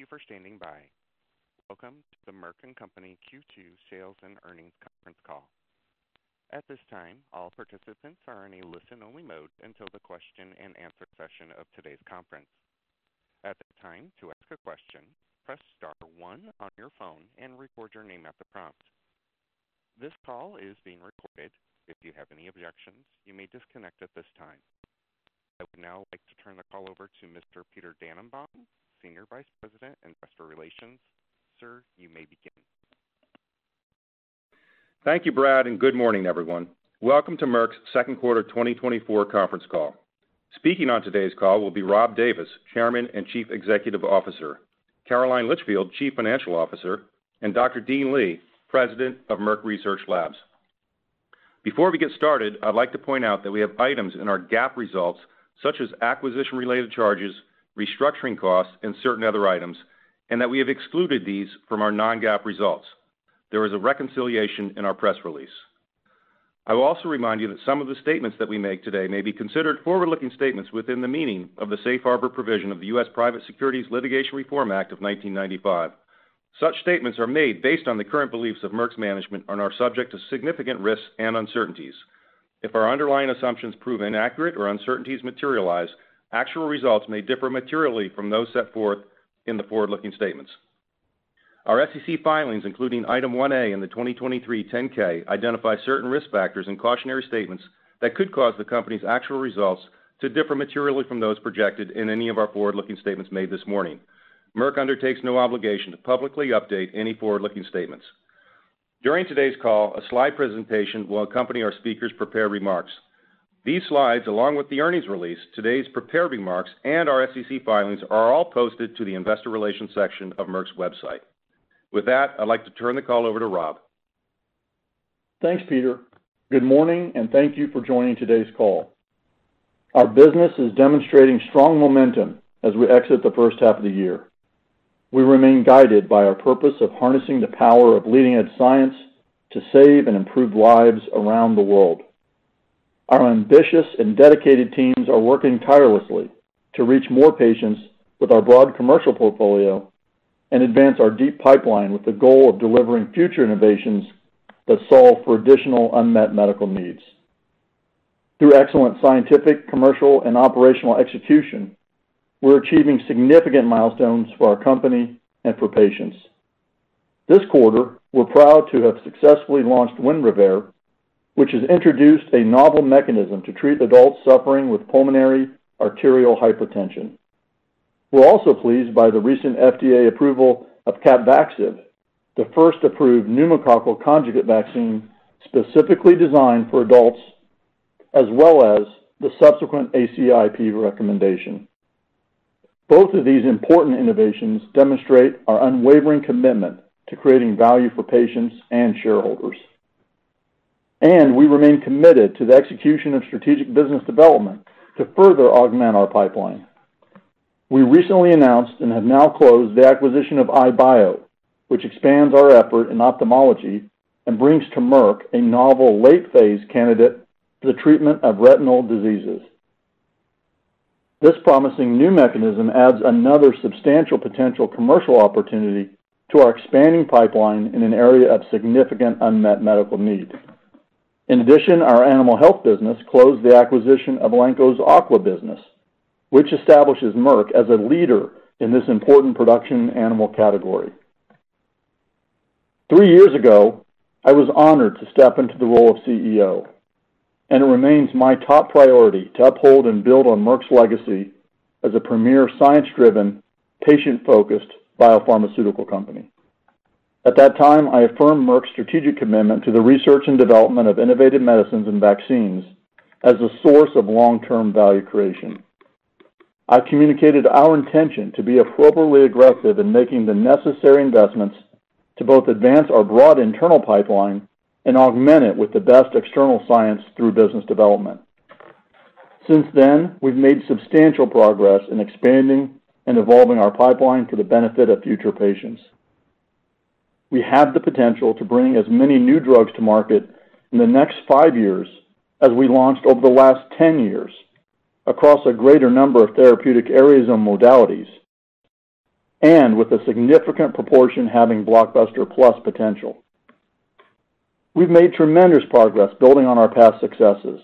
Thank you for standing by. Welcome to the Merck & Co. Q2 Sales and Earnings Conference Call. At this time, all participants are in a listen-only mode until the question and answer session of today's conference. At that time, to ask a question, press star one on your phone and record your name at the prompt. This call is being recorded. If you have any objections, you may disconnect at this time. I would now like to turn the call over to Mr. Peter Dannenbaum, Senior Vice President, Investor Relations. Sir, you may begin. Thank you, Brad, and good morning, everyone. Welcome to Merck's second quarter 2024 conference call. Speaking on today's call will be Rob Davis, Chairman and Chief Executive Officer, Caroline Litchfield, Chief Financial Officer, and Dr. Dean Li, President of Merck Research Labs. Before we get started, I'd like to point out that we have items in our GAAP results, such as acquisition-related charges, restructuring costs, and certain other items, and that we have excluded these from our non-GAAP results. There is a reconciliation in our press release. I will also remind you that some of the statements that we make today may be considered forward-looking statements within the meaning of the Safe Harbor provision of the U.S. Private Securities Litigation Reform Act of 1995. Such statements are made based on the current beliefs of Merck's management and are subject to significant risks and uncertainties. If our underlying assumptions prove inaccurate or uncertainties materialize, actual results may differ materially from those set forth in the forward-looking statements. Our SEC filings, including Item 1A in the 2023 10-K, identify certain risk factors and cautionary statements that could cause the company's actual results to differ materially from those projected in any of our forward-looking statements made this morning. Merck undertakes no obligation to publicly update any forward-looking statements. During today's call, a slide presentation will accompany our speakers' prepared remarks. These slides, along with the earnings release, today's prepared remarks, and our SEC filings, are all posted to the Investor Relations section of Merck's website. With that, I'd like to turn the call over to Rob. Thanks, Peter. Good morning, and thank you for joining today's call. Our business is demonstrating strong momentum as we exit the first half of the year. We remain guided by our purpose of harnessing the power of leading-edge science to save and improve lives around the world. Our ambitious and dedicated teams are working tirelessly to reach more patients with our broad commercial portfolio and advance our deep pipeline, with the goal of delivering future innovations that solve for additional unmet medical needs. Through excellent scientific, commercial, and operational execution, we're achieving significant milestones for our company and for patients. This quarter, we're proud to have successfully launched Winrevair, which has introduced a novel mechanism to treat adults suffering with pulmonary arterial hypertension. We're also pleased by the recent FDA approval of Capvaxive, the first approved pneumococcal conjugate vaccine specifically designed for adults, as well as the subsequent ACIP recommendation. Both of these important innovations demonstrate our unwavering commitment to creating value for patients and shareholders, and we remain committed to the execution of strategic business development to further augment our pipeline. We recently announced and have now closed the acquisition of EyeBio, which expands our effort in ophthalmology and brings to Merck a novel late-phase candidate for the treatment of retinal diseases. This promising new mechanism adds another substantial potential commercial opportunity to our expanding pipeline in an area of significant unmet medical need. In addition, our animal health business closed the acquisition of Elanco's aqua business, which establishes Merck as a leader in this important production animal category. Three years ago, I was honored to step into the role of CEO, and it remains my top priority to uphold and build on Merck's legacy as a premier, science-driven, patient-focused biopharmaceutical company. At that time, I affirmed Merck's strategic commitment to the research and development of innovative medicines and vaccines as a source of long-term value creation. I communicated our intention to be appropriately aggressive in making the necessary investments to both advance our broad internal pipeline and augment it with the best external science through business development. Since then, we've made substantial progress in expanding and evolving our pipeline for the benefit of future patients. We have the potential to bring as many new drugs to market in the next 5 years as we launched over the last 10 years across a greater number of therapeutic areas and modalities, and with a significant proportion having blockbuster plus potential. We've made tremendous progress building on our past successes,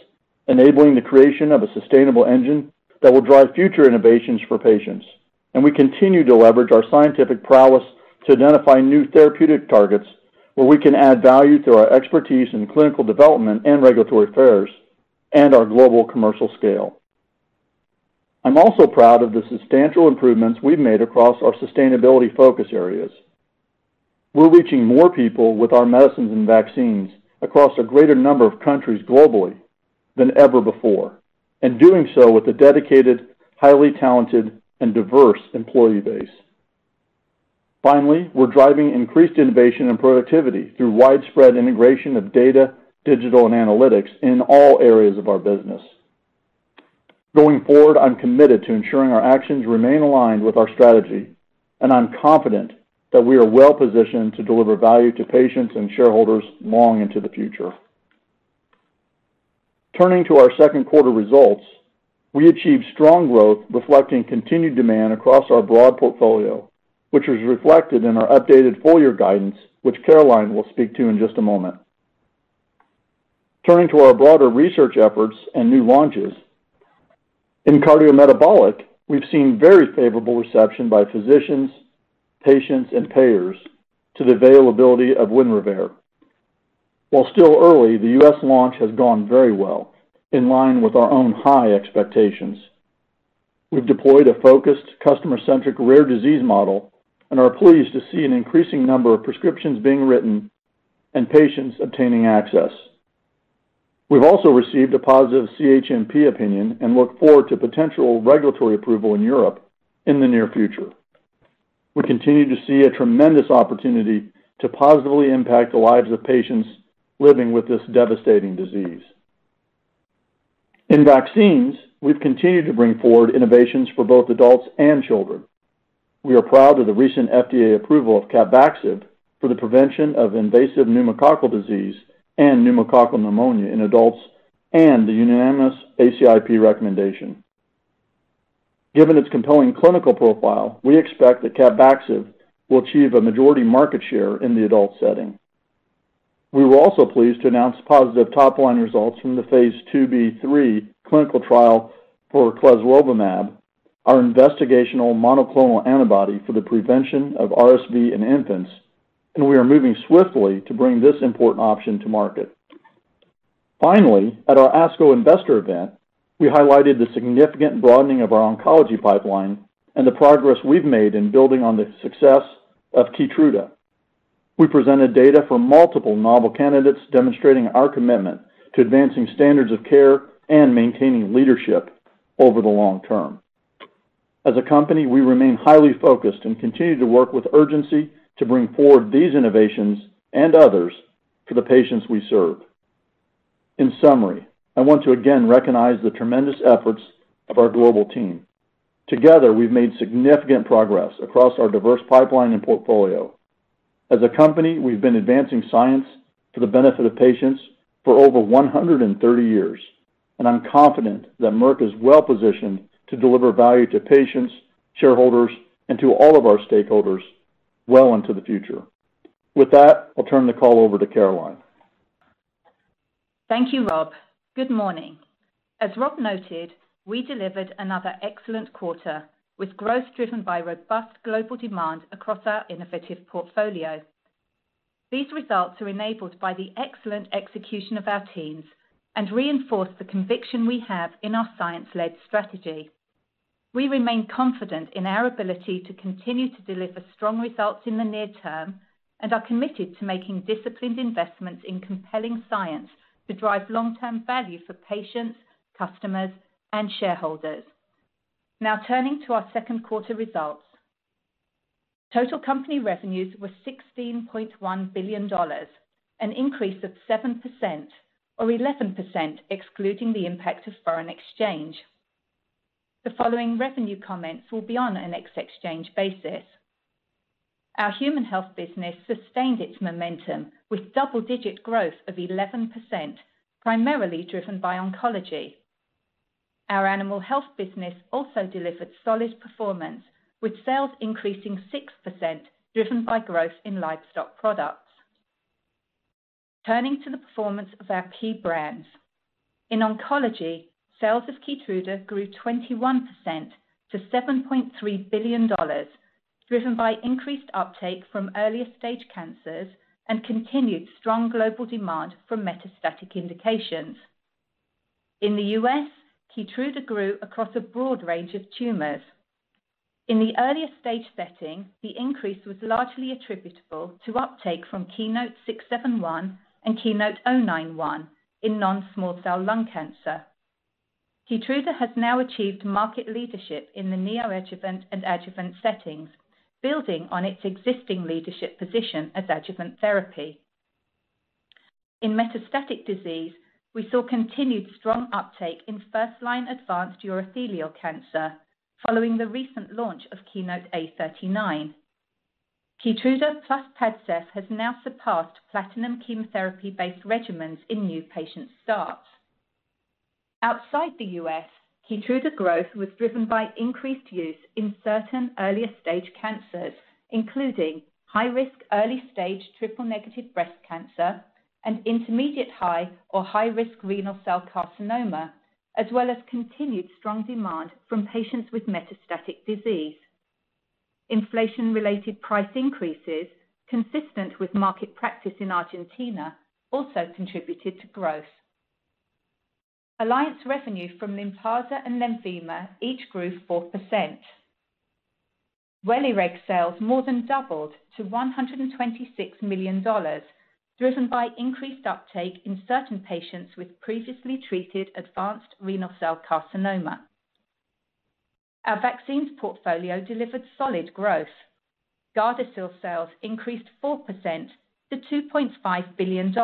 enabling the creation of a sustainable engine that will drive future innovations for patients, and we continue to leverage our scientific prowess to identify new therapeutic targets where we can add value through our expertise in clinical development and regulatory affairs and our global commercial scale. I'm also proud of the substantial improvements we've made across our sustainability focus areas. We're reaching more people with our medicines and vaccines across a greater number of countries globally than ever before, and doing so with a dedicated, highly talented, and diverse employee base. Finally, we're driving increased innovation and productivity through widespread integration of data, digital, and analytics in all areas of our business. Going forward, I'm committed to ensuring our actions remain aligned with our strategy, and I'm confident that we are well positioned to deliver value to patients and shareholders long into the future. Turning to our second quarter results, we achieved strong growth, reflecting continued demand across our broad portfolio, which was reflected in our updated full-year guidance, which Caroline will speak to in just a moment. Turning to our broader research efforts and new launches, in cardiometabolic, we've seen very favorable reception by physicians, patients, and payers to the availability of Winrevair. While still early, the U.S. launch has gone very well, in line with our own high expectations. We've deployed a focused, customer-centric, rare disease model and are pleased to see an increasing number of prescriptions being written and patients obtaining access. We've also received a positive CHMP opinion and look forward to potential regulatory approval in Europe in the near future. We continue to see a tremendous opportunity to positively impact the lives of patients living with this devastating disease. In vaccines, we've continued to bring forward innovations for both adults and children. We are proud of the recent FDA approval of Capvaxive for the prevention of invasive pneumococcal disease and pneumococcal pneumonia in adults, and the unanimous ACIP recommendation. Given its compelling clinical profile, we expect that Capvaxive will achieve a majority market share in the adult setting. We were also pleased to announce positive top-line results from the phase IIb/3 clinical trial for clesrovimab, our investigational monoclonal antibody for the prevention of RSV in infants, and we are moving swiftly to bring this important option to market. Finally, at our ASCO investor event, we highlighted the significant broadening of our oncology pipeline and the progress we've made in building on the success of Keytruda. We presented data from multiple novel candidates, demonstrating our commitment to advancing standards of care and maintaining leadership over the long term. As a company, we remain highly focused and continue to work with urgency to bring forward these innovations and others to the patients we serve. In summary, I want to again recognize the tremendous efforts of our global team. Together, we've made significant progress across our diverse pipeline and portfolio. As a company, we've been advancing science for the benefit of patients for over 130 years, and I'm confident that Merck is well positioned to deliver value to patients, shareholders, and to all of our stakeholders well into the future. With that, I'll turn the call over to Caroline. Thank you, Rob. Good morning. As Rob noted, we delivered another excellent quarter, with growth driven by robust global demand across our innovative portfolio. These results are enabled by the excellent execution of our teams and reinforce the conviction we have in our science-led strategy. We remain confident in our ability to continue to deliver strong results in the near term and are committed to making disciplined investments in compelling science to drive long-term value for patients, customers, and shareholders. Now, turning to our second quarter results. Total company revenues were $16.1 billion, an increase of 7% or 11%, excluding the impact of foreign exchange. The following revenue comments will be on an ex exchange basis. Our Human Health business sustained its momentum, with double-digit growth of 11%, primarily driven by oncology. Our Animal Health business also delivered solid performance, with sales increasing 6%, driven by growth in livestock products. Turning to the performance of our key brands. In oncology, sales of Keytruda grew 21%-$7.3 billion, driven by increased uptake from earlier-stage cancers and continued strong global demand for metastatic indications. In the U.S., Keytruda grew across a broad range of tumors. In the earlier stage setting, the increase was largely attributable to uptake from KEYNOTE-671 and KEYNOTE-091 in non-small cell lung cancer. Keytruda has now achieved market leadership in the neoadjuvant and adjuvant settings, building on its existing leadership position as adjuvant therapy. In metastatic disease, we saw continued strong uptake in first-line advanced urothelial cancer, following the recent launch of KEYNOTE-A39. Keytruda plus Padcev has now surpassed platinum chemotherapy-based regimens in new patient starts. Outside the U.S., Keytruda growth was driven by increased use in certain earlier-stage cancers, including high risk, early-stage triple-negative breast cancer and intermediate high or high risk renal cell carcinoma, as well as continued strong demand from patients with metastatic disease. Inflation-related price increases, consistent with market practice in Argentina, also contributed to growth. Alliance revenue from Lynparza and Lenvima each grew 4%. Welireg sales more than doubled to $126 million, driven by increased uptake in certain patients with previously treated advanced renal cell carcinoma. Our vaccines portfolio delivered solid growth. Gardasil sales increased 4%-$2.5 billion.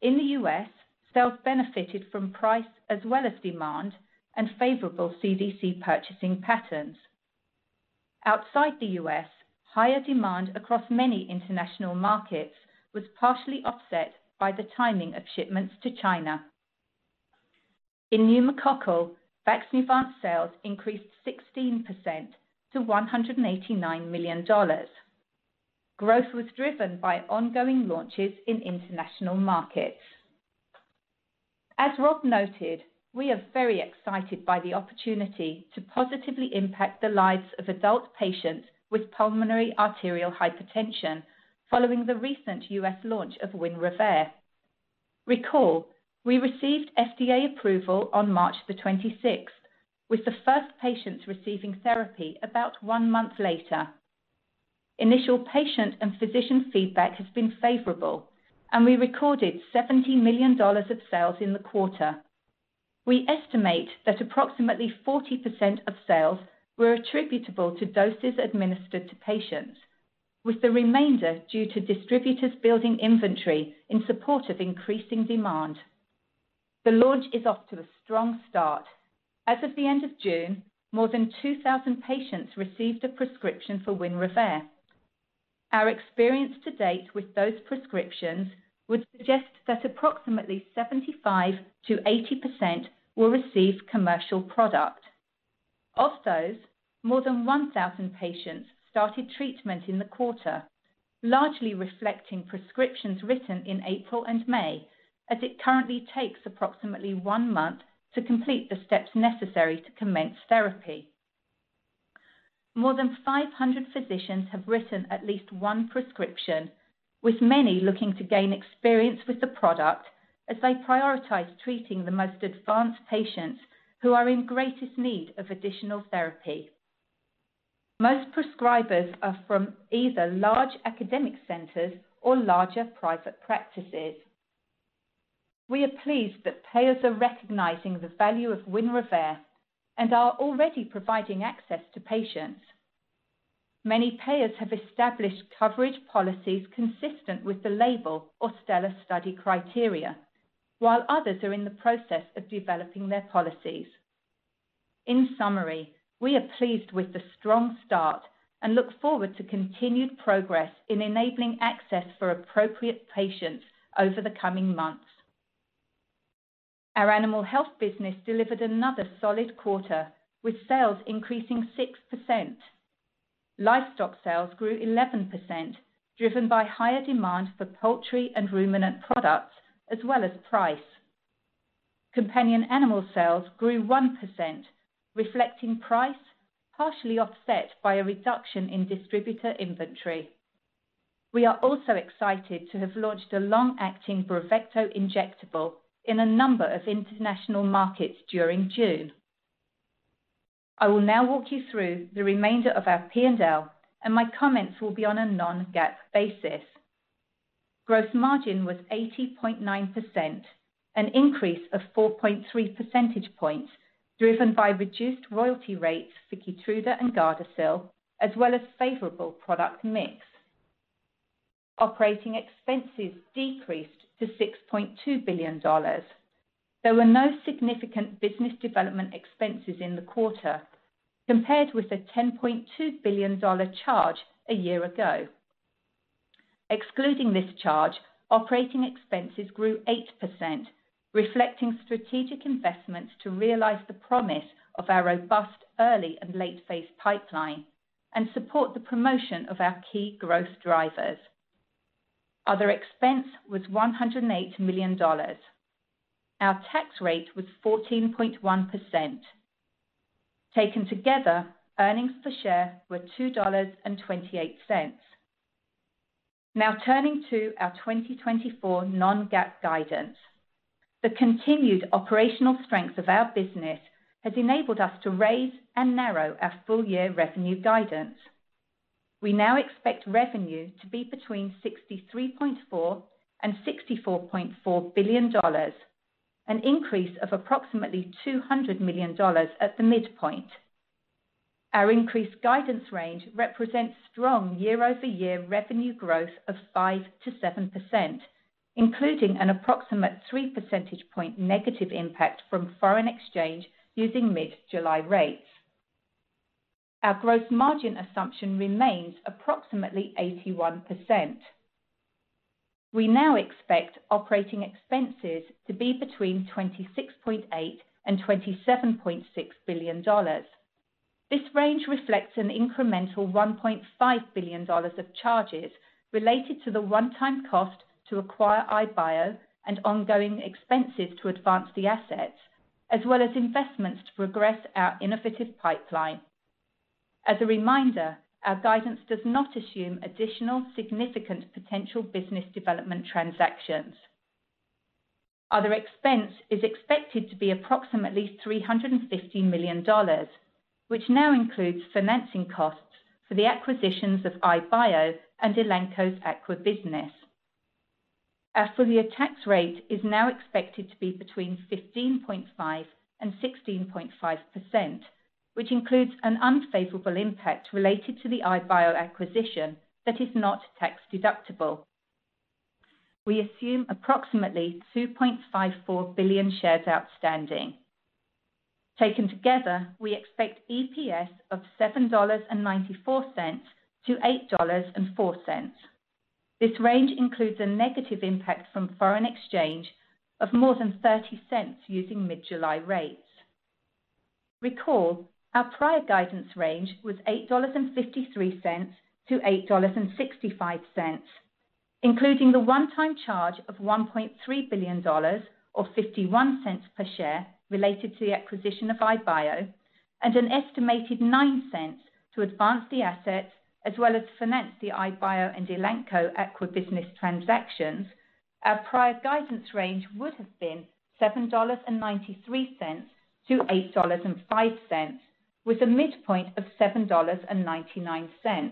In the U.S., sales benefited from price as well as demand and favorable CDC purchasing patterns. Outside the U.S., higher demand across many international markets was partially offset by the timing of shipments to China. In pneumococcal, Vaxneuvance sales increased 16%-$189 million. Growth was driven by ongoing launches in international markets. As Rob noted, we are very excited by the opportunity to positively impact the lives of adult patients with pulmonary arterial hypertension following the recent U.S. launch of Winrevair. Recall, we received FDA approval on March the twenty-sixth, with the first patients receiving therapy about one month later. Initial patient and physician feedback has been favorable, and we recorded $70 million of sales in the quarter. We estimate that approximately 40% of sales were attributable to doses administered to patients, with the remainder due to distributors building inventory in support of increasing demand. The launch is off to a strong start. As of the end of June, more than 2,000 patients received a prescription for Winrevair. Our experience to date with those prescriptions would suggest that approximately 75%-80% will receive commercial product. Of those, more than 1,000 patients started treatment in the quarter, largely reflecting prescriptions written in April and May, as it currently takes approximately one month to complete the steps necessary to commence therapy. More than 500 physicians have written at least one prescription, with many looking to gain experience with the product as they prioritize treating the most advanced patients who are in greatest need of additional therapy. Most prescribers are from either large academic centers or larger private practices. We are pleased that payers are recognizing the value of Winrevair and are already providing access to patients. Many payers have established coverage policies consistent with the label or STELLAR study criteria, while others are in the process of developing their policies. In summary, we are pleased with the strong start and look forward to continued progress in enabling access for appropriate patients over the coming months. Our animal health business delivered another solid quarter, with sales increasing 6%. Livestock sales grew 11%, driven by higher demand for poultry and ruminant products, as well as price. Companion animal sales grew 1%, reflecting price, partially offset by a reduction in distributor inventory. We are also excited to have launched a long-acting Bravecto injectable in a number of international markets during June. I will now walk you through the remainder of our P&L, and my comments will be on a non-GAAP basis. Gross margin was 80.9%, an increase of 4.3 percentage points, driven by reduced royalty rates for Keytruda and Gardasil, as well as favorable product mix. Operating expenses decreased to $6.2 billion. There were no significant business development expenses in the quarter, compared with a $10.2 billion charge a year ago. Excluding this charge, operating expenses grew 8%, reflecting strategic investments to realize the promise of our robust early and late-phase pipeline and support the promotion of our key growth drivers. Other expense was $108 million. Our tax rate was 14.1%. Taken together, earnings per share were $2.28. Now, turning to our 2024 non-GAAP guidance. The continued operational strength of our business has enabled us to raise and narrow our full-year revenue guidance. We now expect revenue to be between $63.4 billion and $64.4 billion, an increase of approximately $200 million at the midpoint. Our increased guidance range represents strong year-over-year revenue growth of 5%-7%, including an approximate 3 percentage point negative impact from foreign exchange using mid-July rates. Our growth margin assumption remains approximately 81%. We now expect operating expenses to be between $26.8 billion and $27.6 billion. This range reflects an incremental $1.5 billion of charges related to the one-time cost to acquire EyeBio and ongoing expenses to advance the assets, as well as investments to progress our innovative pipeline. As a reminder, our guidance does not assume additional significant potential business development transactions. Other expense is expected to be approximately $350 million, which now includes financing costs for the acquisitions of EyeBio and Elanco's aqua business. Our full-year tax rate is now expected to be between 15.5%-16.5%, which includes an unfavorable impact related to the EyeBio acquisition that is not tax-deductible. We assume approximately 2.54 billion shares outstanding. Taken together, we expect EPS of $7.94-$8.04. This range includes a negative impact from foreign exchange of more than $0.30 using mid-July rates. Recall, our prior guidance range was $8.53-$8.65, including the one-time charge of $1.3 billion, or $0.51 per share, related to the acquisition of EyeBio, and an estimated $0.09 to advance the asset, as well as to finance the EyeBio and Elanco aqua business transactions. Our prior guidance range would have been $7.93-$8.05, with a midpoint of $7.99.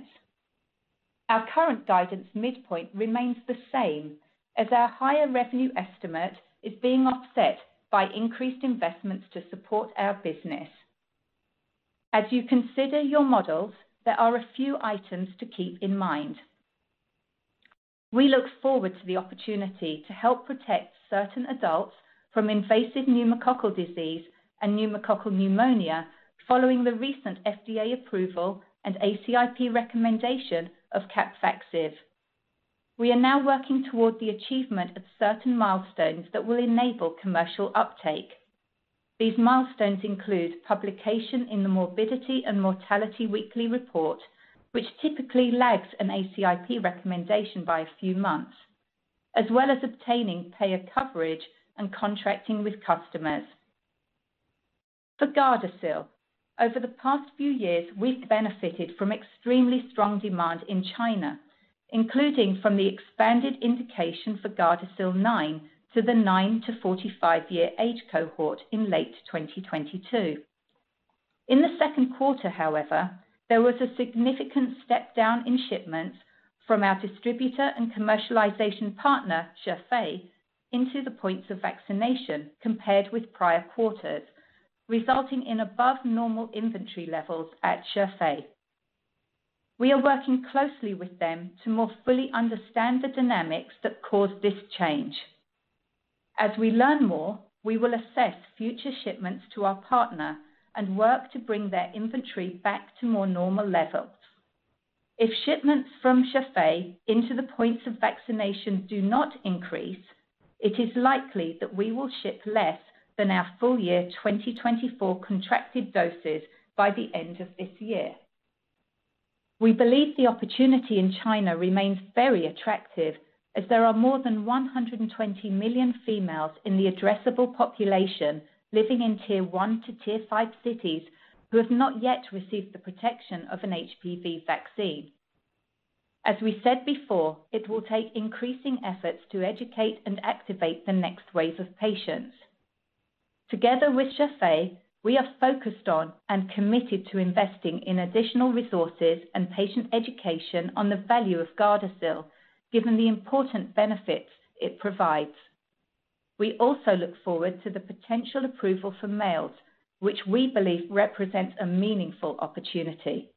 Our current guidance midpoint remains the same, as our higher revenue estimate is being offset by increased investments to support our business. As you consider your models, there are a few items to keep in mind. We look forward to the opportunity to help protect certain adults from invasive pneumococcal disease and pneumococcal pneumonia, following the recent FDA approval and ACIP recommendation of Capvaxive. We are now working toward the achievement of certain milestones that will enable commercial uptake. These milestones include publication in the Morbidity and Mortality Weekly Report, which typically lags an ACIP recommendation by a few months, as well as obtaining payer coverage and contracting with customers. For Gardasil, over the past few years, we've benefited from extremely strong demand in China, including from the expanded indication for Gardasil 9 to the 9- to 45-year age cohort in late 2022. In the second quarter, however, there was a significant step down in shipments from our distributor and commercialization partner, Zhifei, into the points of vaccination compared with prior quarters, resulting in above normal inventory levels at Zhifei. We are working closely with them to more fully understand the dynamics that caused this change. As we learn more, we will assess future shipments to our partner and work to bring their inventory back to more normal levels. If shipments from Zhifei into the points of vaccination do not increase, it is likely that we will ship less than our full year 2024 contracted doses by the end of this year. We believe the opportunity in China remains very attractive, as there are more than 120 million females in the addressable population living in Tier 1 to Tier 5 cities, who have not yet received the protection of an HPV vaccine. As we said before, it will take increasing efforts to educate and activate the next wave of patients. Together with Zhifei, we are focused on and committed to investing in additional resources and patient education on the value of Gardasil, given the important benefits it provides. We also look forward to the potential approval for males, which we believe represents a meaningful opportunity.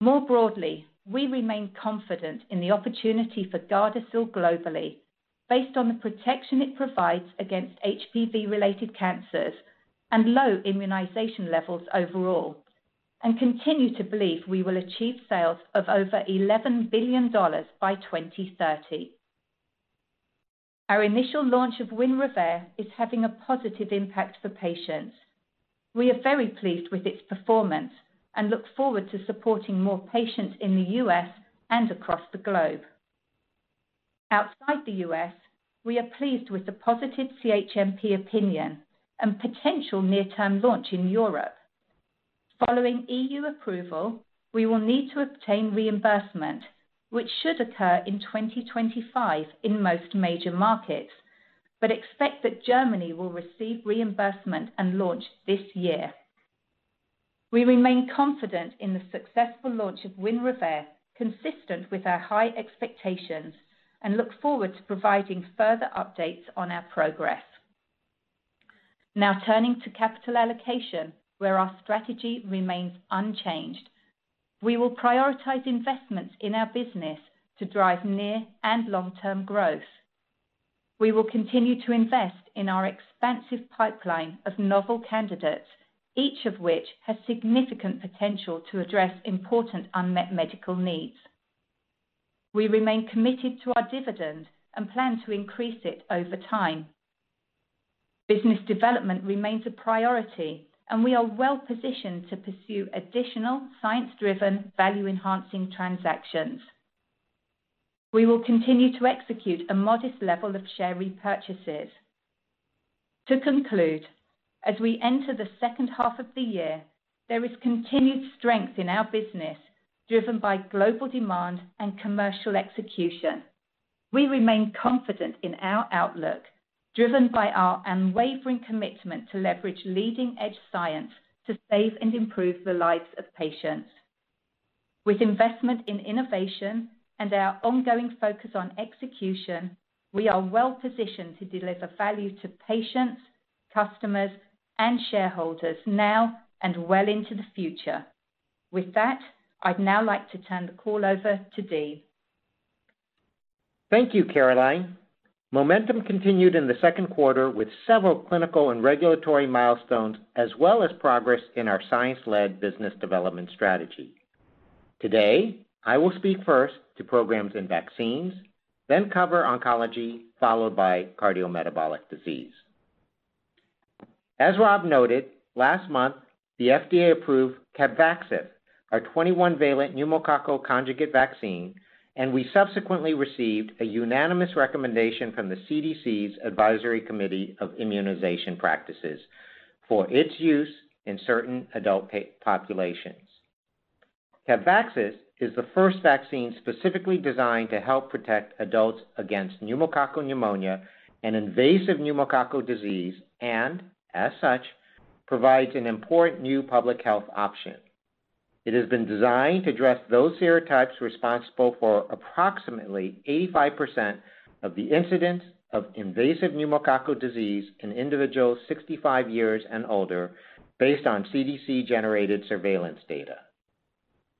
More broadly, we remain confident in the opportunity for Gardasil globally, based on the protection it provides against HPV-related cancers and low immunization levels overall, and continue to believe we will achieve sales of over $11 billion by 2030. Our initial launch of Winrevair is having a positive impact for patients. We are very pleased with its performance and look forward to supporting more patients in the U.S. and across the globe. Outside the U.S., we are pleased with the positive CHMP opinion and potential near-term launch in Europe. Following EU approval, we will need to obtain reimbursement, which should occur in 2025 in most major markets, but expect that Germany will receive reimbursement and launch this year. We remain confident in the successful launch of Winrevair, consistent with our high expectations, and look forward to providing further updates on our progress. Now, turning to capital allocation, where our strategy remains unchanged. We will prioritize investments in our business to drive near- and long-term growth. We will continue to invest in our expansive pipeline of novel candidates, each of which has significant potential to address important unmet medical needs. We remain committed to our dividend and plan to increase it over time. Business development remains a priority, and we are well-positioned to pursue additional science-driven, value-enhancing transactions. We will continue to execute a modest level of share repurchases. To conclude, as we enter the second half of the year, there is continued strength in our business, driven by global demand and commercial execution. We remain confident in our outlook, driven by our unwavering commitment to leverage leading-edge science to save and improve the lives of patients. With investment in innovation and our ongoing focus on execution, we are well-positioned to deliver value to patients, customers, and shareholders now and well into the future.... With that, I'd now like to turn the call over to Dean. Thank you, Caroline. Momentum continued in the second quarter with several clinical and regulatory milestones, as well as progress in our science-led business development strategy. Today, I will speak first to programs and vaccines, then cover oncology, followed by cardiometabolic disease. As Rob noted, last month, the FDA approved Capvaxive, our 21-valent pneumococcal conjugate vaccine, and we subsequently received a unanimous recommendation from the CDC's Advisory Committee on Immunization Practices for its use in certain adult populations. Capvaxive is the first vaccine specifically designed to help protect adults against pneumococcal pneumonia and invasive pneumococcal disease, and as such, provides an important new public health option. It has been designed to address those serotypes responsible for approximately 85% of the incidence of invasive pneumococcal disease in individuals 65 years and older, based on CDC-generated surveillance data.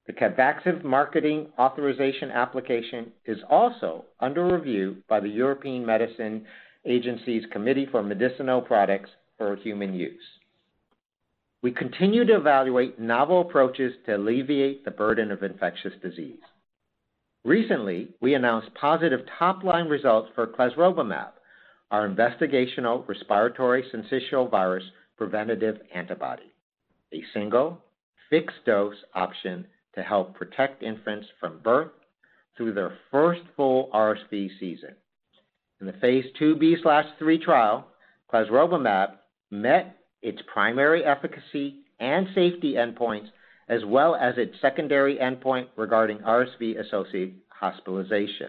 The Capvaxive marketing authorization application is also under review by the European Medicines Agency's Committee for Medicinal Products for Human Use. We continue to evaluate novel approaches to alleviate the burden of infectious disease. Recently, we announced positive top-line results for clesrovimab, our investigational respiratory syncytial virus preventative antibody, a single fixed-dose option to help protect infants from birth through their first full RSV season. In the phase IIb/3 trial, clesrovimab met its primary efficacy and safety endpoints, as well as its secondary endpoint regarding RSV-associated hospitalization.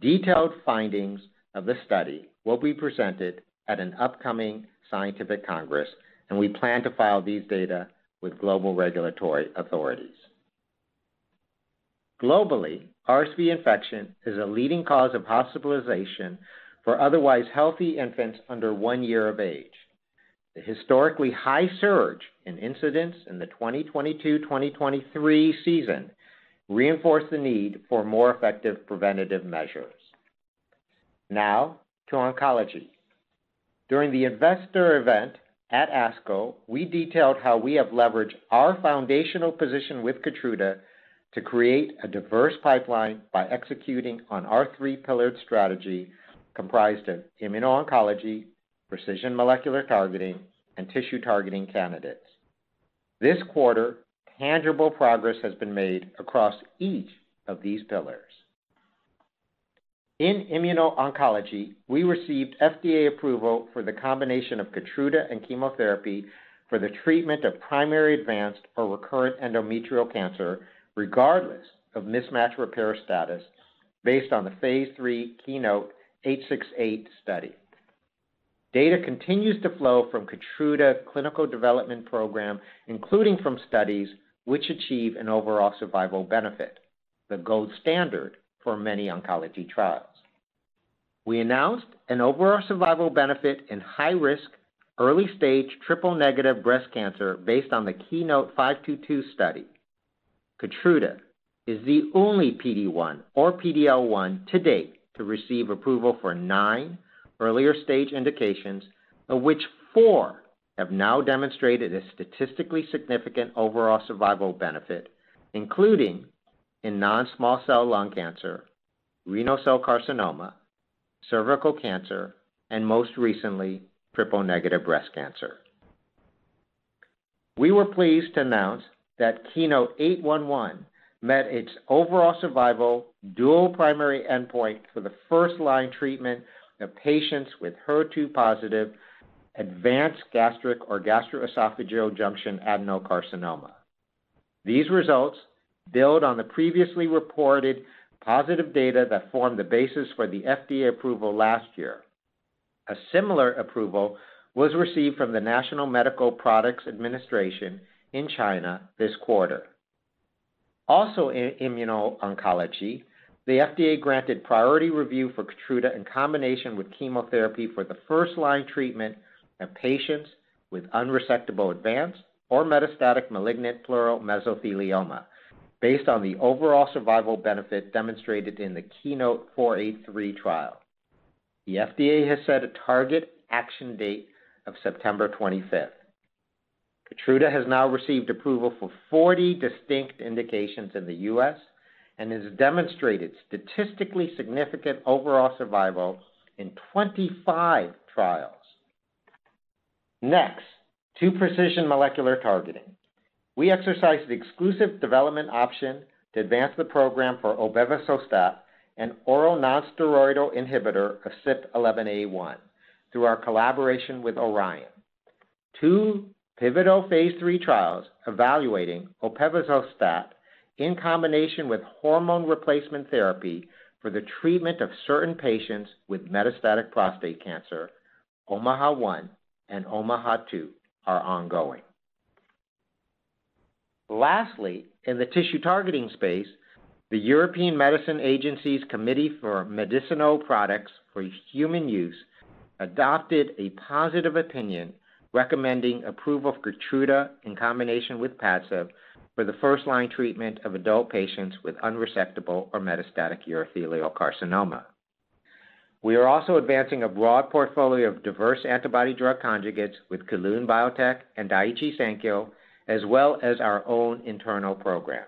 Detailed findings of this study will be presented at an upcoming scientific congress, and we plan to file these data with global regulatory authorities. Globally, RSV infection is a leading cause of hospitalization for otherwise healthy infants under one year of age. The historically high surge in incidents in the 2022/2023 season reinforced the need for more effective preventative measures. Now to oncology. During the investor event at ASCO, we detailed how we have leveraged our foundational position with Keytruda to create a diverse pipeline by executing on our three-pillared strategy, comprised of immuno-oncology, precision molecular targeting, and tissue-targeting candidates. This quarter, tangible progress has been made across each of these pillars. In immuno-oncology, we received FDA approval for the combination of Keytruda and chemotherapy for the treatment of primary, advanced, or recurrent endometrial cancer, regardless of mismatch repair status, based on the phase III KEYNOTE-868 study. Data continues to flow from Keytruda clinical development program, including from studies which achieve an overall survival benefit, the gold standard for many oncology trials. We announced an overall survival benefit in high-risk, early-stage triple-negative breast cancer based on the KEYNOTE-522 study. Keytruda is the only PD-1 or PD-L1 to date to receive approval for nine earlier-stage indications, of which four have now demonstrated a statistically significant overall survival benefit, including in non-small cell lung cancer, renal cell carcinoma, cervical cancer, and most recently, triple-negative breast cancer. We were pleased to announce that KEYNOTE-811 met its overall survival dual primary endpoint for the first-line treatment of patients with HER2-positive advanced gastric or gastroesophageal junction adenocarcinoma. These results build on the previously reported positive data that formed the basis for the FDA approval last year. A similar approval was received from the National Medical Products Administration in China this quarter. Also in immuno-oncology, the FDA granted priority review for Keytruda in combination with chemotherapy for the first-line treatment of patients with unresectable, advanced, or metastatic malignant pleural mesothelioma, based on the overall survival benefit demonstrated in the KEYNOTE-483 trial. The FDA has set a target action date of September twenty-fifth. Keytruda has now received approval for 40 distinct indications in the US and has demonstrated statistically significant overall survival in 25 trials. Next, to precision molecular targeting. We exercised the exclusive development option to advance the program for opevesostat, an oral nonsteroidal inhibitor of CYP11A1, through our collaboration with Orion. 2 pivotal phase III trials evaluating opevesostat in combination with hormone replacement therapy for the treatment of certain patients with metastatic prostate cancer, OMAHA-1 and OMAHA-2, are ongoing. Lastly, in the tissue targeting space, the European Medicines Agency's Committee for Medicinal Products for Human Use-... adopted a positive opinion, recommending approval of Keytruda in combination with Padcev for the first-line treatment of adult patients with unresectable or metastatic urothelial carcinoma. We are also advancing a broad portfolio of diverse antibody-drug conjugates with Kelun-Biotech and Daiichi Sankyo, as well as our own internal programs.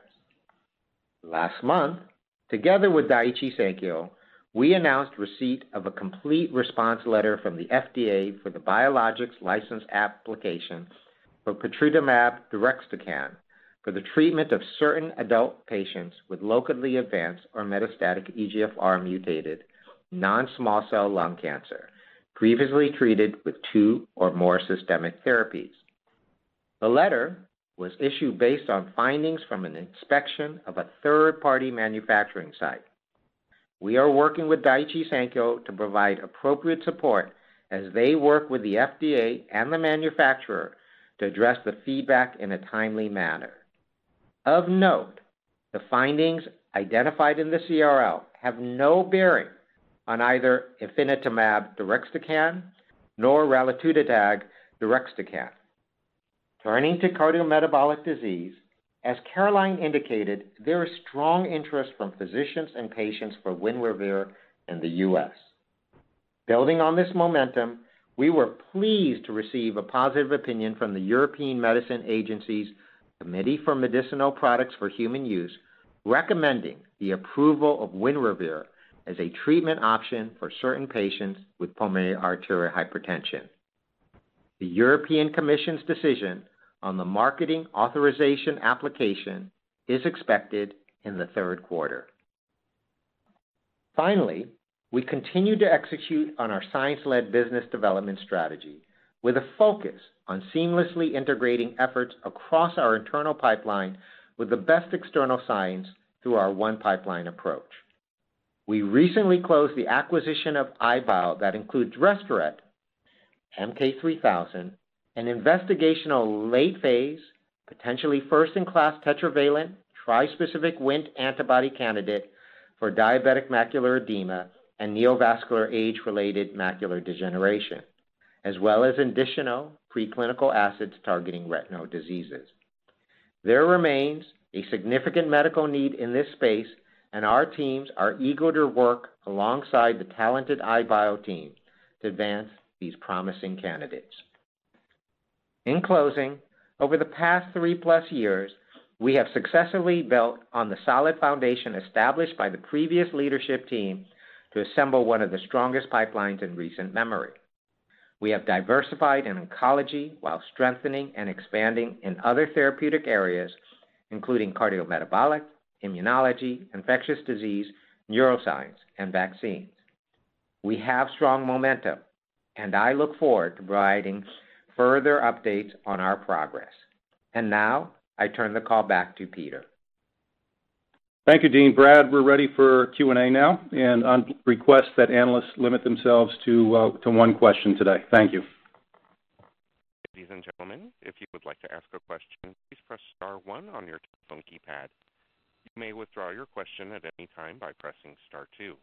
Last month, together with Daiichi Sankyo, we announced receipt of a complete response letter from the FDA for the Biologics License Application for patritumab deruxtecan for the treatment of certain adult patients with locally advanced or metastatic EGFR mutated non-small cell lung cancer, previously treated with two or more systemic therapies. The letter was issued based on findings from an inspection of a third-party manufacturing site. We are working with Daiichi Sankyo to provide appropriate support as they work with the FDA and the manufacturer to address the feedback in a timely manner. Of note, the findings identified in the CRL have no bearing on either ifinatamab deruxtecan, nor raludotatug deruxtecan. Turning to cardiometabolic disease, as Caroline indicated, there is strong interest from physicians and patients for Winrevair in the U.S. Building on this momentum, we were pleased to receive a positive opinion from the European Medicines Agency's Committee for Medicinal Products for Human Use, recommending the approval of Winrevair as a treatment option for certain patients with pulmonary arterial hypertension. The European Commission's decision on the marketing authorization application is expected in the third quarter. Finally, we continue to execute on our science-led business development strategy, with a focus on seamlessly integrating efforts across our internal pipeline with the best external science through our one pipeline approach. We recently closed the acquisition of EyeBio that includes Restoret, MK-3000, an investigational late phase, potentially first-in-class tetravalent, trispecific WNT antibody candidate for diabetic macular edema and neovascular age-related macular degeneration, as well as additional preclinical assets targeting retinal diseases. There remains a significant medical need in this space, and our teams are eager to work alongside the talented EyeBio team to advance these promising candidates. In closing, over the past three-plus years, we have successfully built on the solid foundation established by the previous leadership team to assemble one of the strongest pipelines in recent memory. We have diversified in oncology while strengthening and expanding in other therapeutic areas, including cardiometabolic, immunology, infectious disease, neuroscience, and vaccines. We have strong momentum, and I look forward to providing further updates on our progress. Now, I turn the call back to Peter. Thank you, Dean. Brad, we're ready for Q&A now, and I request that analysts limit themselves to, to one question today. Thank you. Ladies and gentlemen, if you would like to ask a question, please press star one on your phone keypad. You may withdraw your question at any time by pressing star two.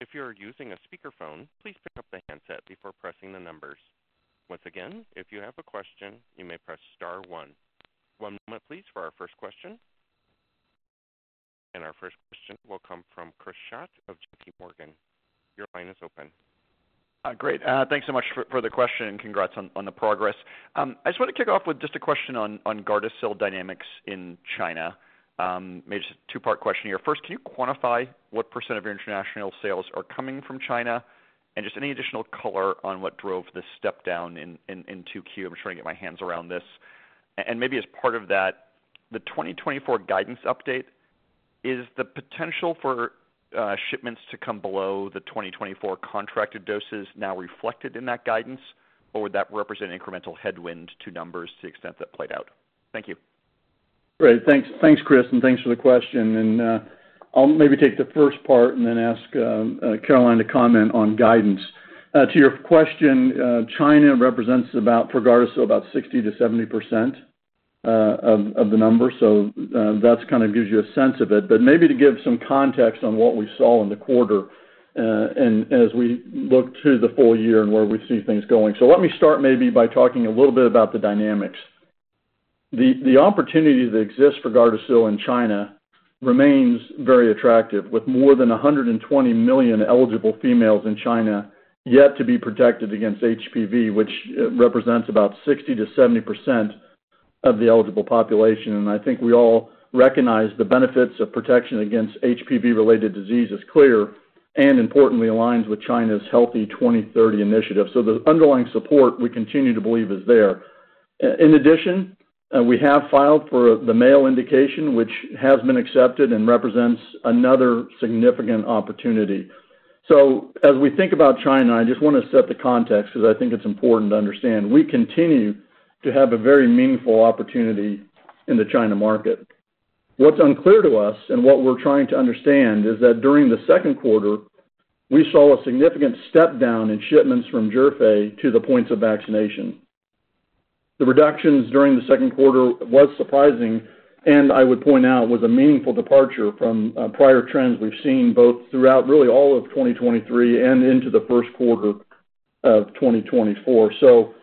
If you're using a speakerphone, please pick up the handset before pressing the numbers. Once again, if you have a question, you may press star one. One moment, please, for our first question. Our first question will come from Chris Schott of J.P. Morgan. Your line is open. Great. Thanks so much for the question, and congrats on the progress. I just want to kick off with just a question on Gardasil dynamics in China. Maybe just a two-part question here. First, can you quantify what % of your international sales are coming from China? And just any additional color on what drove the step down in 2Q? I'm just trying to get my hands around this. And maybe as part of that, the 2024 guidance update, is the potential for shipments to come below the 2024 contracted doses now reflected in that guidance, or would that represent incremental headwind to numbers to the extent that played out? Thank you. Great. Thanks. Thanks, Chris, and thanks for the question. I'll maybe take the first part and then ask Caroline to comment on guidance. To your question, China represents about, for Gardasil, about 60%-70% of the number. So, that's kind of gives you a sense of it. But maybe to give some context on what we saw in the quarter, and as we look to the full year and where we see things going. So let me start maybe by talking a little bit about the dynamics. The opportunity that exists for Gardasil in China remains very attractive, with more than 120 million eligible females in China yet to be protected against HPV, which represents about 60%-70% of the eligible population. I think we all recognize the benefits of protection against HPV-related disease is clear and importantly, aligns with China's Healthy 2030 initiative. The underlying support, we continue to believe, is there. In addition, we have filed for the male indication, which has been accepted and represents another significant opportunity. As we think about China, I just want to set the context because I think it's important to understand, we continue to have a very meaningful opportunity in the China market. What's unclear to us, and what we're trying to understand, is that during the second quarter, we saw a significant step down in shipments from Zhifei to the points of vaccination... The reductions during the second quarter was surprising, and I would point out, was a meaningful departure from prior trends we've seen both throughout really all of 2023 and into the first quarter of 2024. So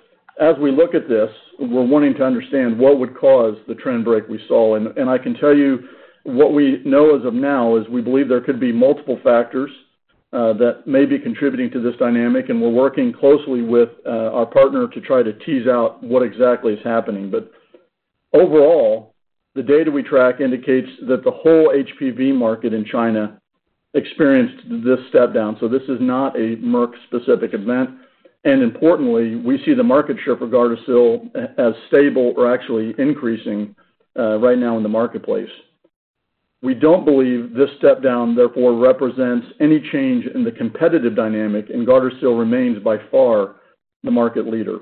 as we look at this, we're wanting to understand what would cause the trend break we saw. And I can tell you what we know as of now is we believe there could be multiple factors that may be contributing to this dynamic, and we're working closely with our partner to try to tease out what exactly is happening. But overall, the data we track indicates that the whole HPV market in China experienced this step down. So this is not a Merck-specific event, and importantly, we see the market share for Gardasil as stable or actually increasing right now in the marketplace. We don't believe this step down, therefore, represents any change in the competitive dynamic, and Gardasil remains by far the market leader.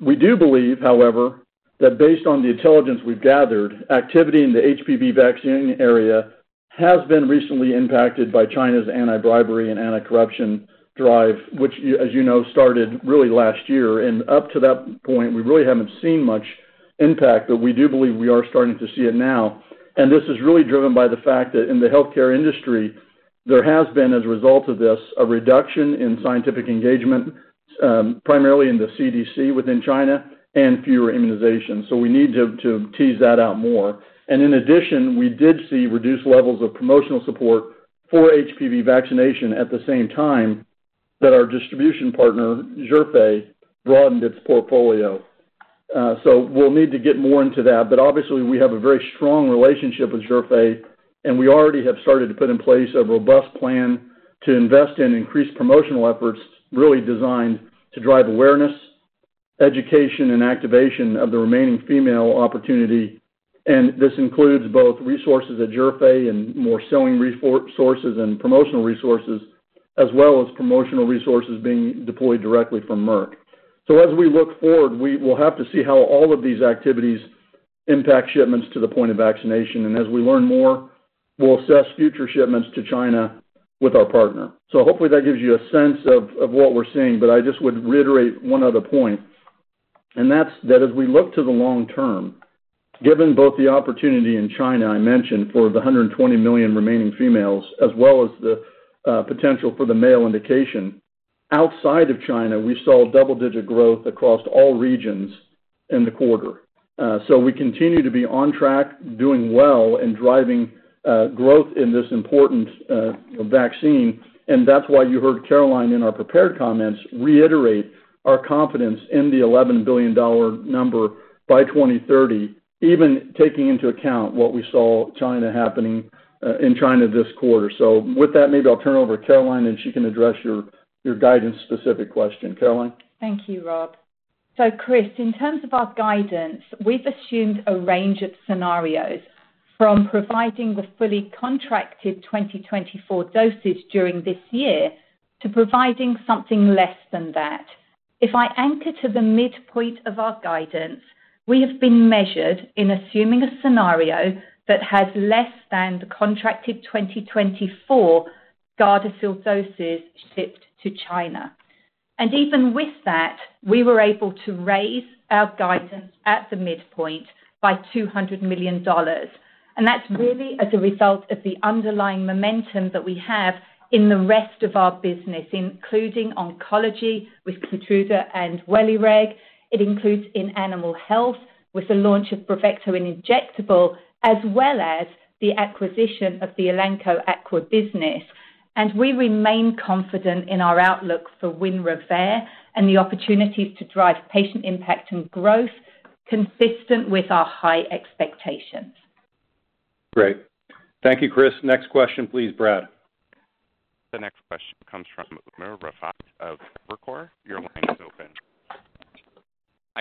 We do believe, however, that based on the intelligence we've gathered, activity in the HPV vaccination area has been recently impacted by China's anti-bribery and anti-corruption drive, which, as you know, started really last year. Up to that point, we really haven't seen much impact, but we do believe we are starting to see it now. This is really driven by the fact that in the healthcare industry, there has been, as a result of this, a reduction in scientific engagement, primarily in the CDC within China, and fewer immunizations. We need to tease that out more. And in addition, we did see reduced levels of promotional support for HPV vaccination at the same time that our distribution partner, Zhifei, broadened its portfolio. So we'll need to get more into that, but obviously, we have a very strong relationship with Zhifei, and we already have started to put in place a robust plan to invest in increased promotional efforts, really designed to drive awareness, education, and activation of the remaining female opportunity. And this includes both resources at Zhifei and more selling resources and promotional resources, as well as promotional resources being deployed directly from Merck. So as we look forward, we will have to see how all of these activities impact shipments to the point of vaccination. And as we learn more, we'll assess future shipments to China with our partner. So hopefully, that gives you a sense of what we're seeing, but I just would reiterate one other point, and that's that as we look to the long term, given both the opportunity in China I mentioned for the 120 million remaining females, as well as the potential for the male indication, outside of China, we saw double-digit growth across all regions in the quarter. So we continue to be on track, doing well, and driving growth in this important vaccine, and that's why you heard Caroline, in our prepared comments, reiterate our confidence in the $11 billion number by 2030, even taking into account what we saw China happening in China this quarter. So with that, maybe I'll turn it over to Caroline, and she can address your guidance-specific question. Caroline? Thank you, Rob. So Chris, in terms of our guidance, we've assumed a range of scenarios, from providing the fully contracted 2024 doses during this year to providing something less than that. If I anchor to the midpoint of our guidance, we have been measured in assuming a scenario that has less than the contracted 2024 Gardasil doses shipped to China. And even with that, we were able to raise our guidance at the midpoint by $200 million. And that's really as a result of the underlying momentum that we have in the rest of our business, including oncology with Keytruda and Welireg. It includes in animal health, with the launch of Bravecto injectable, as well as the acquisition of the Elanco Aqua business. We remain confident in our outlook for Winrevair and the opportunities to drive patient impact and growth consistent with our high expectations. Great. Thank you, Chris. Next question, please, Brad. The next question comes from Umer Raffat of Evercore. Your line is open.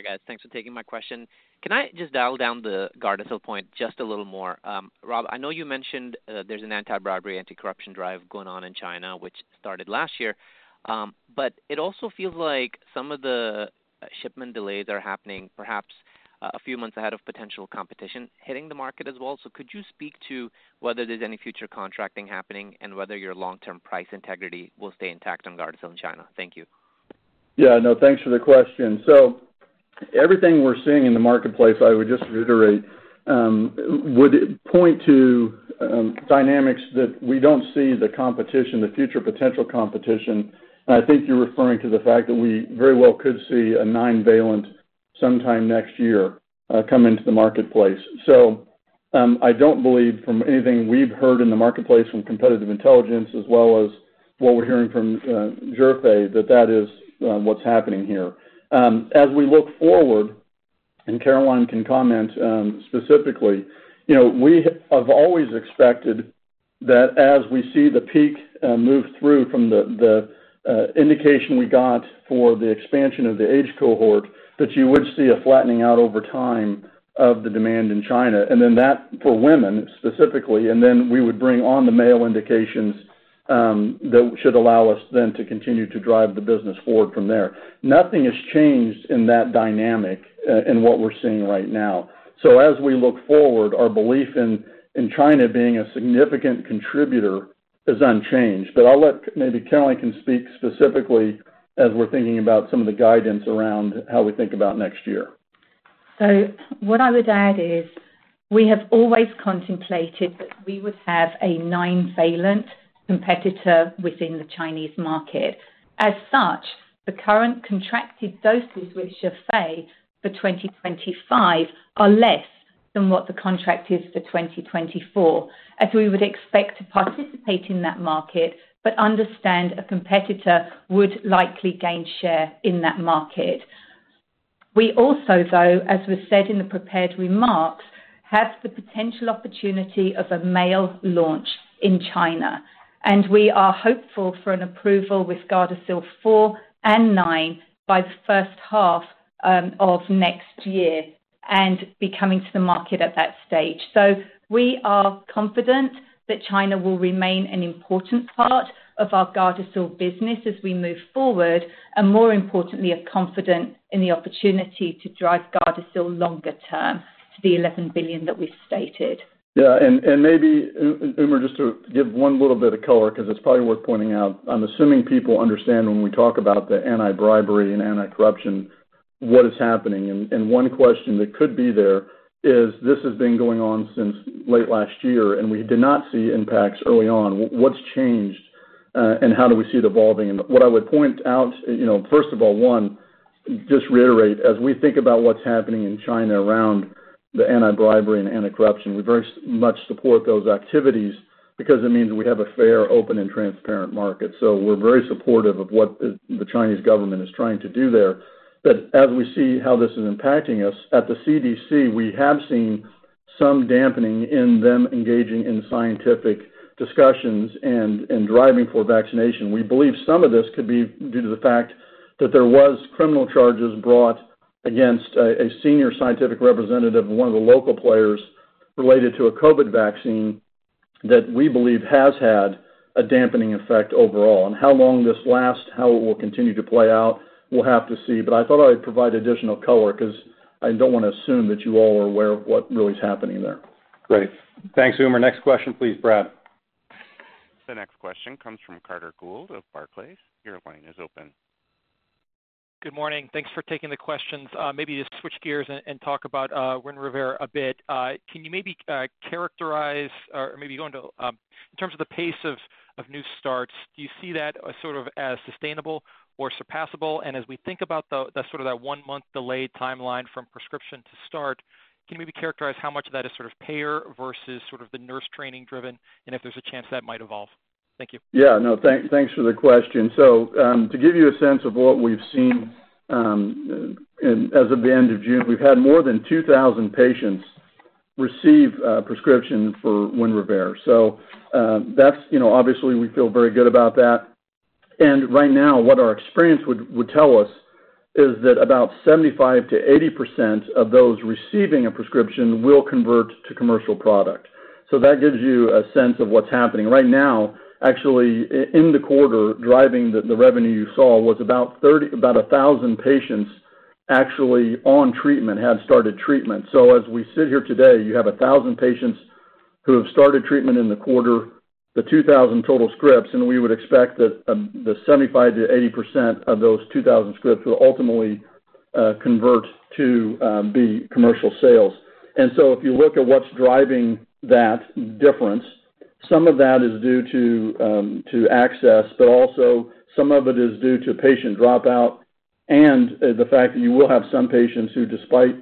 Hi, guys. Thanks for taking my question. Can I just dial down the Gardasil point just a little more? Rob, I know you mentioned there's an anti-bribery, anti-corruption drive going on in China, which started last year. But it also feels like some of the shipment delays are happening perhaps a few months ahead of potential competition hitting the market as well. So could you speak to whether there's any future contracting happening and whether your long-term price integrity will stay intact on Gardasil in China? Thank you. Yeah. No, thanks for the question. So everything we're seeing in the marketplace, I would just reiterate, would point to dynamics that we don't see the competition, the future potential competition. And I think you're referring to the fact that we very well could see a nine-valent sometime next year, come into the marketplace. So, I don't believe from anything we've heard in the marketplace from competitive intelligence, as well as what we're hearing from, Zhifei, that that is what's happening here. As we look forward, and Caroline can comment, specifically, you know, we have always expected that as we see the peak, move through from the indication we got for the expansion of the age cohort, that you would see a flattening out over time of the demand in China, and then that for women, specifically, and then we would bring on the male indications, that should allow us then to continue to drive the business forward from there. Nothing has changed in that dynamic, in what we're seeing right now. So as we look forward, our belief in China being a significant contributor is unchanged. But I'll let, maybe Caroline can speak specifically as we're thinking about some of the guidance around how we think about next year. So what I would add is, we have always contemplated that we would have a nine-valent competitor within the Chinese market. As such, the current contracted doses with Zhifei for 2025 are less than what the contract is for 2024, as we would expect to participate in that market, but understand a competitor would likely gain share in that market. We also, though, as was said in the prepared remarks, have the potential opportunity of a male launch in China, and we are hopeful for an approval with Gardasil 4 and 9 by the first half of next year and be coming to the market at that stage. So we are confident that China will remain an important part of our Gardasil business as we move forward, and more importantly, are confident in the opportunity to drive Gardasil longer term to the $11 billion that we've stated. Yeah, and maybe, Umer, just to give one little bit of color, because it's probably worth pointing out. I'm assuming people understand when we talk about the anti-bribery and anti-corruption, what is happening. One question that could be there is, this has been going on since late last year, and we did not see impacts early on. What's changed, and how do we see it evolving? What I would point out, you know, first of all, one, just reiterate, as we think about what's happening in China around the anti-bribery and anti-corruption, we very much support those activities because it means we have a fair, open, and transparent market. So we're very supportive of what the Chinese government is trying to do there. But as we see how this is impacting us, at the CDC, we have seen some dampening in them engaging in scientific discussions and driving for vaccination. We believe some of this could be due to the fact that there was criminal charges brought against a senior scientific representative of one of the local players related to a COVID vaccine that we believe has had a dampening effect overall. And how long this lasts, how it will continue to play out, we'll have to see. But I thought I would provide additional color because I don't want to assume that you all are aware of what really is happening there. Great. Thanks, Umer. Next question, please, Brad. The next question comes from Peter Gould of Barclays. Your line is open. Good morning. Thanks for taking the questions. Maybe just switch gears and talk about Winrevair a bit. Can you maybe characterize or maybe go into in terms of the pace of new starts, do you see that as sort of sustainable or surpassable? And as we think about the sort of that one-month delayed timeline from prescription to start, can you maybe characterize how much of that is sort of payer versus sort of the nurse training driven, and if there's a chance that might evolve? Thank you. Yeah, no, thank, thanks for the question. So, to give you a sense of what we've seen, and as of the end of June, we've had more than 2,000 patients receive a prescription for Winrevair. So, that's, you know, obviously, we feel very good about that. And right now, what our experience would tell us is that about 75%-80% of those receiving a prescription will convert to commercial product. So that gives you a sense of what's happening. Right now, actually, in the quarter, driving the revenue you saw was about 1,000 patients actually on treatment, had started treatment. As we sit here today, you have 1,000 patients who have started treatment in the quarter, the 2,000 total scripts, and we would expect that the 75%-80% of those 2,000 scripts will ultimately convert to be commercial sales. If you look at what's driving that difference, some of that is due to access, but also some of it is due to patient dropout and the fact that you will have some patients who, despite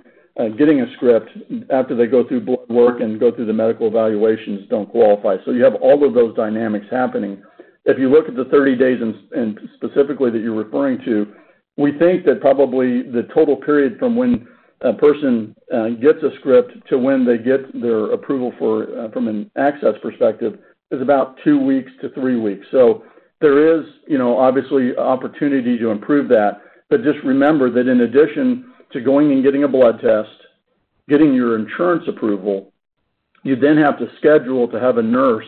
getting a script, after they go through blood work and go through the medical evaluations, don't qualify. You have all of those dynamics happening. If you look at the 30 days, and specifically that you're referring to, we think that probably the total period from when a person gets a script to when they get their approval for from an access perspective, is about 2 weeks to 3 weeks. So there is, you know, obviously, opportunity to improve that. But just remember that in addition to going and getting a blood test, getting your insurance approval, you then have to schedule to have a nurse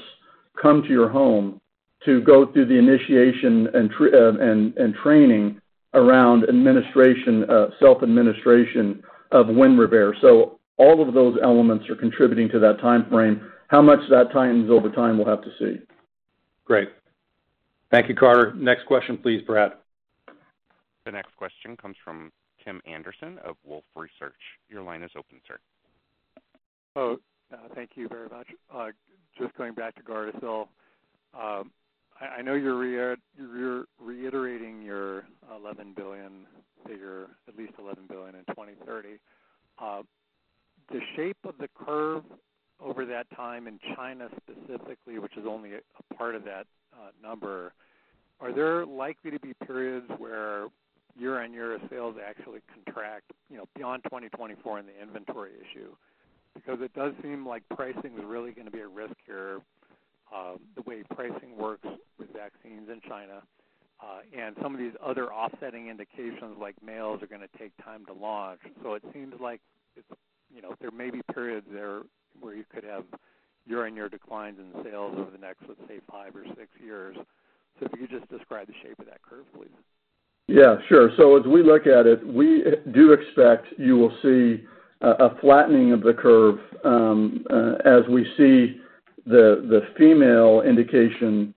come to your home to go through the initiation and training around administration, self-administration of Winrevair. So all of those elements are contributing to that time frame. How much that tightens over time, we'll have to see. Great. Thank you, Peter. Next question, please, Brad. The next question comes from Tim Anderson of Wolfe Research. Your line is open, sir. Oh, thank you very much. Just going back to Gardasil. I know you're reiterating your $11 billion figure, at least $11 billion in 2030. The shape of the curve over that time in China specifically, which is only a part of that number, are there likely to be periods where year-on-year sales actually contract, you know, beyond 2024 in the inventory issue? Because it does seem like pricing is really gonna be a risk here, the way pricing works with vaccines in China, and some of these other offsetting indications, like males, are gonna take time to launch. So it seems like it's, you know, there may be periods there where you could have year-on-year declines in sales over the next, let's say, five or six years. So if you could just describe the shape of that curve, please. Yeah, sure. So as we look at it, we do expect you will see a flattening of the curve, as we see the female indication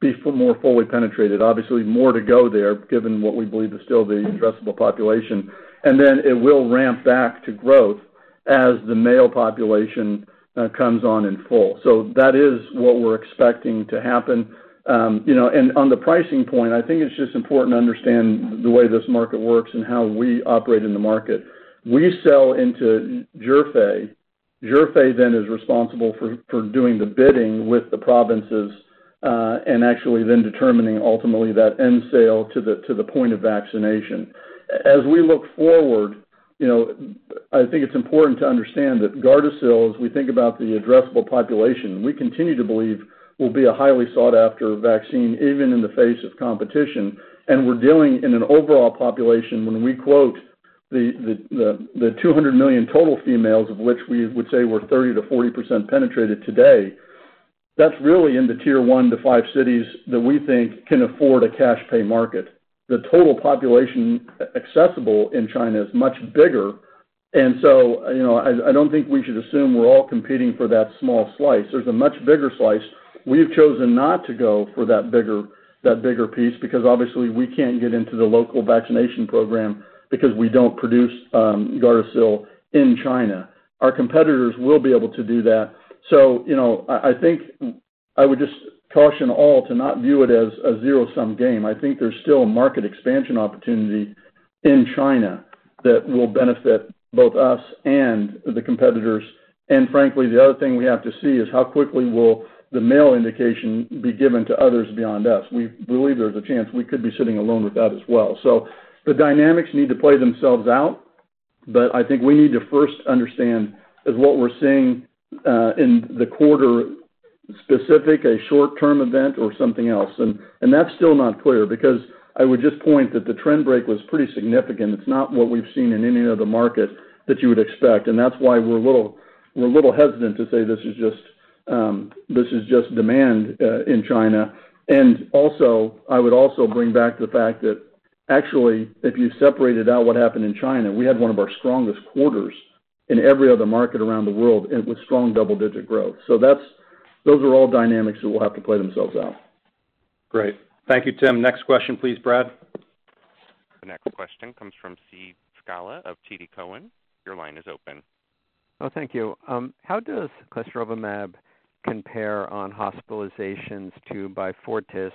be more fully penetrated. Obviously, more to go there, given what we believe is still the addressable population. And then it will ramp back to growth as the male population comes on in full. So that is what we're expecting to happen. You know, and on the pricing point, I think it's just important to understand the way this market works and how we operate in the market. We sell into Zhifei. Zhifei then is responsible for doing the bidding with the provinces, and actually then determining ultimately that end sale to the point of vaccination. As we look forward, you know, I think it's important to understand that Gardasil, as we think about the addressable population, we continue to believe will be a highly sought after vaccine, even in the face of competition. And we're dealing in an overall population, when we quote the 200 million total females, of which we would say we're 30%-40% penetrated today, that's really in the Tier 1 to Tier 5 cities that we think can afford a cash pay market. The total population accessible in China is much bigger. And so, you know, I don't think we should assume we're all competing for that small slice. There's a much bigger slice. We've chosen not to go for that bigger piece, because obviously, we can't get into the local vaccination program because we don't produce Gardasil in China. Our competitors will be able to do that. So, you know, I, I think I would just caution all to not view it as a zero-sum game. I think there's still a market expansion opportunity in China that will benefit both us and the competitors. And frankly, the other thing we have to see is how quickly will the male indication be given to others beyond us. We believe there's a chance we could be sitting alone with that as well. So the dynamics need to play themselves out, but I think we need to first understand, is what we're seeing in the quarter specific, a short-term event or something else? And that's still not clear, because I would just point that the trend break was pretty significant. It's not what we've seen in any other market that you would expect, and that's why we're a little, we're a little hesitant to say this is just, this is just demand in China. And also, I would also bring back the fact that actually, if you separated out what happened in China, we had one of our strongest quarters in every other market around the world, and it was strong double-digit growth. So that's those are all dynamics that will have to play themselves out. Great. Thank you, Tim. Next question, please, Brad. The next question comes from Steve Scala of TD Cowen. Your line is open. Oh, thank you. How does clesrovimab compare on hospitalizations to Beyfortus,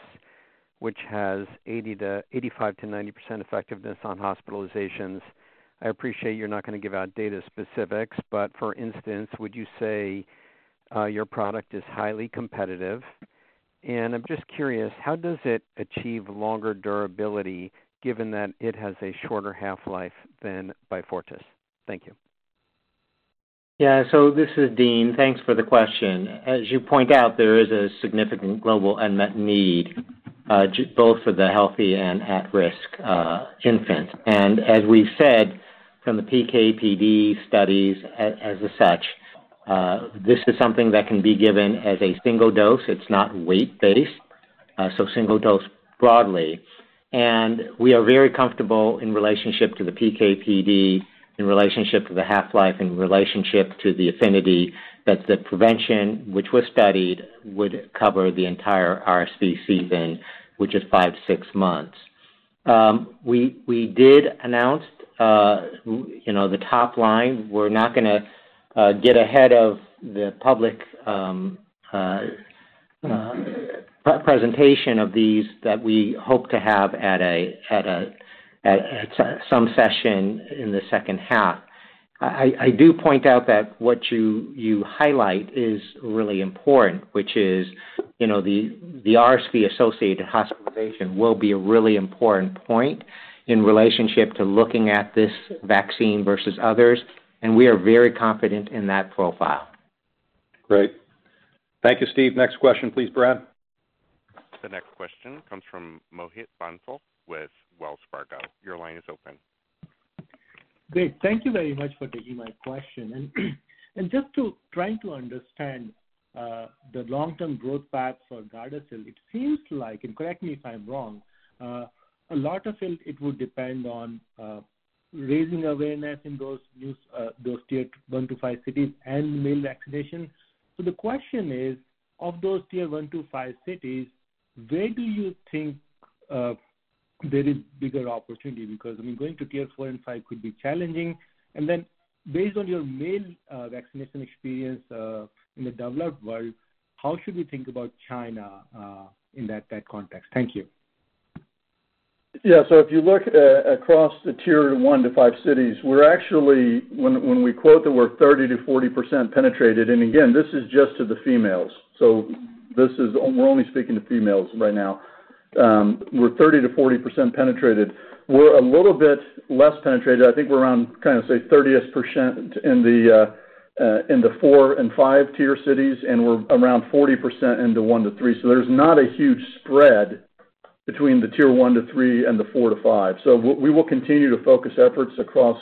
which has 85%-90% effectiveness on hospitalizations? I appreciate you're not going to give out data specifics, but for instance, would you say your product is highly competitive? And I'm just curious, how does it achieve longer durability given that it has a shorter half-life than Beyfortus? Thank you. Yeah. So this is Dean. Thanks for the question. As you point out, there is a significant global unmet need, both for the healthy and at-risk, infants. And as we've said, from the PK/PD studies, this is something that can be given as a single dose. It's not weight-based, so single dose broadly. And we are very comfortable in relationship to the PK/PD, in relationship to the half-life, in relationship to the affinity, that the prevention, which was studied, would cover the entire RSV season, which is 5-6 months. We did announce, you know, the top line. We're not gonna get ahead of the public presentation of these that we hope to have at some session in the second half. I do point out that what you highlight is really important, which is, you know, the RSV-associated hospitalization will be a really important point in relationship to looking at this vaccine versus others, and we are very confident in that profile. Great. Thank you, Steve. Next question, please, Brad. The next question comes from Mohit Bansal with Wells Fargo. Your line is open. Great. Thank you very much for taking my question. And just to try to understand, the long-term growth path for Gardasil, it seems like, and correct me if I'm wrong, a lot of it, it would depend on, raising awareness in those new, those Tier 1 to Tier 5 cities and male vaccination. So the question is, of those Tier 1 to Tier 5 cities, where do you think, there is bigger opportunity? Because, I mean, going to Tiers 4 and 5 could be challenging. And then based on your male vaccination experience, in the developed world, how should we think about China, in that context? Thank you. Yeah, so if you look across the Tier 1-5 cities, we're actually, when we quote that we're 30%-40% penetrated, and again, this is just to the females. So this is, we're only speaking to females right now. We're 30%-40% penetrated. We're a little bit less penetrated. I think we're around, kind of, say, 30% in the 4 and 5 tier cities, and we're around 40% in the 1-3. So there's not a huge spread between the Tier 1-3 and the 4-5. So we will continue to focus efforts across-...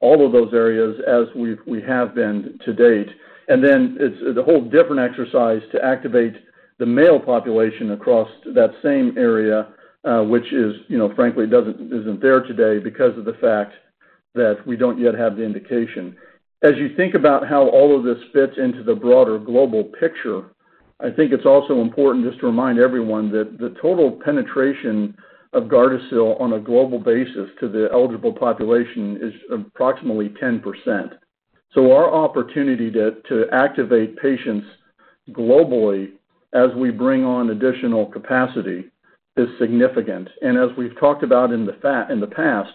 all of those areas as we've, we have been to date. And then it's a whole different exercise to activate the male population across that same area, which is, you know, frankly, isn't there today because of the fact that we don't yet have the indication. As you think about how all of this fits into the broader global picture, I think it's also important just to remind everyone that the total penetration of Gardasil on a global basis to the eligible population is approximately 10%. So our opportunity to activate patients globally as we bring on additional capacity is significant. And as we've talked about in the past,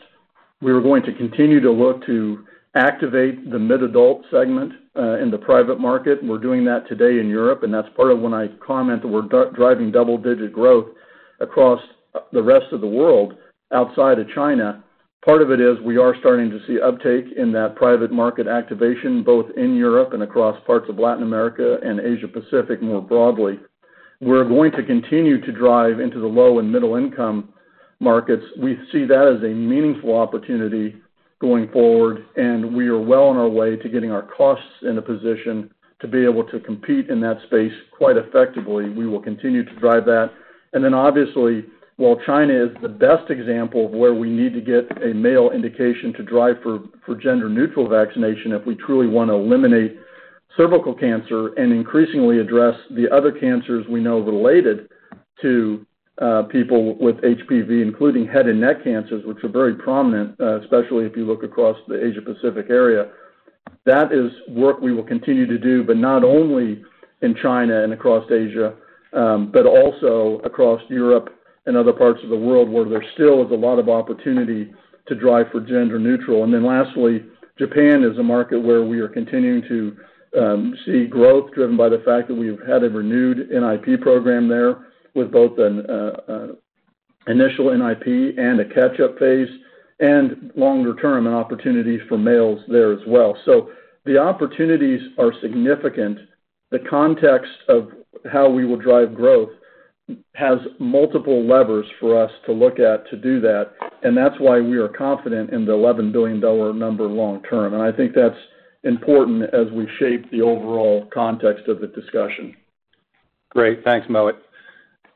we were going to continue to look to activate the mid-adult segment in the private market. We're doing that today in Europe, and that's part of when I comment that we're driving double-digit growth across the rest of the world outside of China. Part of it is we are starting to see uptake in that private market activation, both in Europe and across parts of Latin America and Asia Pacific more broadly. We're going to continue to drive into the low and middle income markets. We see that as a meaningful opportunity going forward, and we are well on our way to getting our costs in a position to be able to compete in that space quite effectively. We will continue to drive that. Obviously, while China is the best example of where we need to get a male indication to drive for gender-neutral vaccination if we truly want to eliminate cervical cancer and increasingly address the other cancers we know related to people with HPV, including head and neck cancers, which are very prominent, especially if you look across the Asia Pacific area. That is work we will continue to do, but not only in China and across Asia, but also across Europe and other parts of the world, where there still is a lot of opportunity to drive for gender-neutral. And then lastly, Japan is a market where we are continuing to see growth, driven by the fact that we've had a renewed NIP program there with both an initial NIP and a catch-up phase, and longer term, an opportunity for males there as well. So the opportunities are significant. The context of how we will drive growth has multiple levers for us to look at to do that, and that's why we are confident in the $11 billion number long term. And I think that's important as we shape the overall context of the discussion. Great. Thanks, Mohit.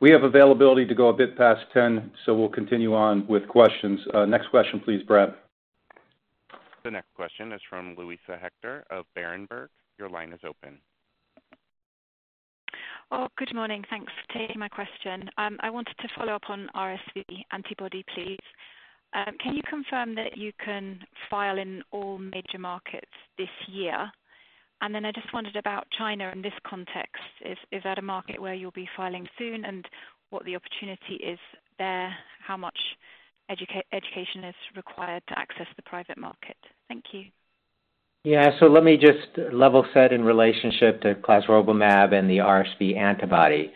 We have availability to go a bit past 10, so we'll continue on with questions. Next question, please, Brad. The next question is from Louisa Hector of Berenberg. Your line is open. Oh, good morning. Thanks for taking my question. I wanted to follow up on RSV antibody, please. Can you confirm that you can file in all major markets this year? And then I just wondered about China in this context. Is that a market where you'll be filing soon, and what the opportunity is there? How much education is required to access the private market? Thank you. Yeah. So let me just level set in relationship to clesrovimab and the RSV antibody.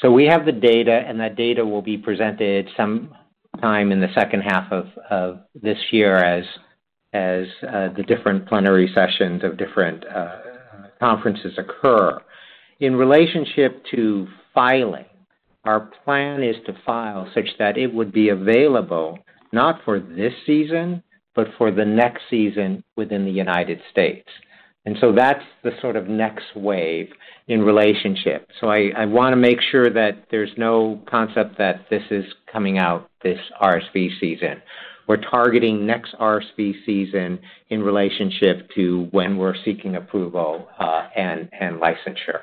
So we have the data, and that data will be presented sometime in the second half of this year as the different plenary sessions of different conferences occur. In relationship to filing, our plan is to file such that it would be available not for this season, but for the next season within the United States. And so that's the sort of next wave in relationship. So I wanna make sure that there's no concept that this is coming out this RSV season. We're targeting next RSV season in relationship to when we're seeking approval and licensure.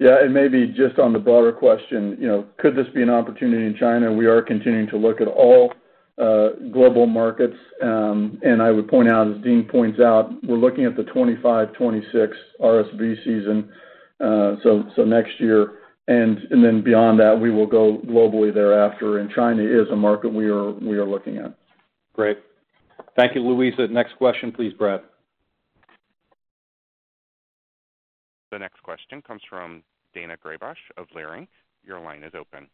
Yeah, and maybe just on the broader question, you know, could this be an opportunity in China? We are continuing to look at all global markets. And I would point out, as Dean points out, we're looking at the 2025-2026 RSV season, so next year, and then beyond that, we will go globally thereafter, and China is a market we are looking at. Great. Thank you, Louisa. Next question, please, Brad. The next question comes from Daina Graybosch of Leerink Partners. Your line is open.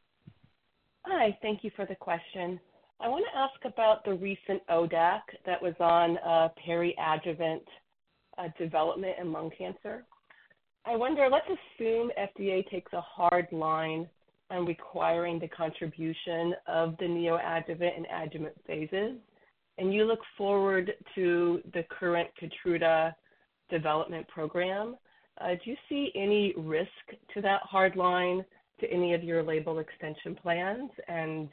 Hi, thank you for the question. I wanna ask about the recent ODAC that was on, peri-adjuvant, development in lung cancer. I wonder, let's assume FDA takes a hard line on requiring the contribution of the neoadjuvant and adjuvant phases, and you look forward to the current Keytruda development program. Do you see any risk to that hard line, to any of your label extension plans? And,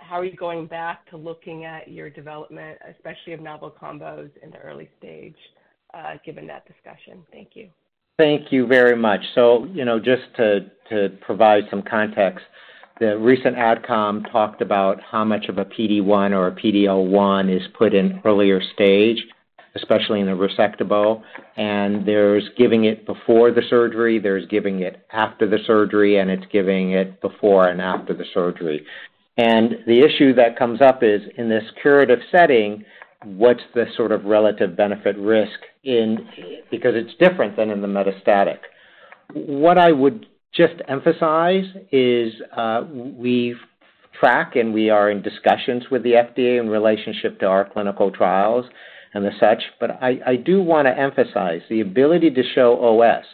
how are you going back to looking at your development, especially of novel combos in the early stage, given that discussion? Thank you. Thank you very much. So, you know, just to provide some context, the recent Adcom talked about how much of a PD-1 or a PD-L1 is put in earlier stage, especially in a resectable, and there's giving it before the surgery, there's giving it after the surgery, and it's giving it before and after the surgery. And the issue that comes up is, in this curative setting, what's the sort of relative benefit risk. Because it's different than in the metastatic. What I would just emphasize is, we track, and we are in discussions with the FDA in relationship to our clinical trials and the such, but I do wanna emphasize, the ability to show OS,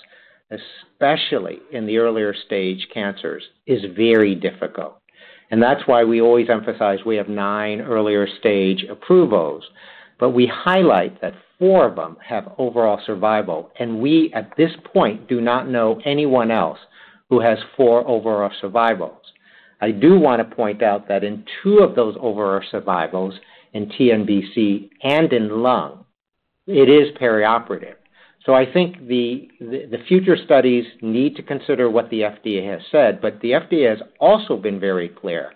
especially in the earlier stage cancers, is very difficult. That's why we always emphasize we have nine earlier stage approvals, but we highlight that four of them have overall survival, and we, at this point, do not know anyone else who has four overall survivals. I do want to point out that in two of those overall survivals, in TNBC and in lung, it is perioperative. So I think the future studies need to consider what the FDA has said, but the FDA has also been very clear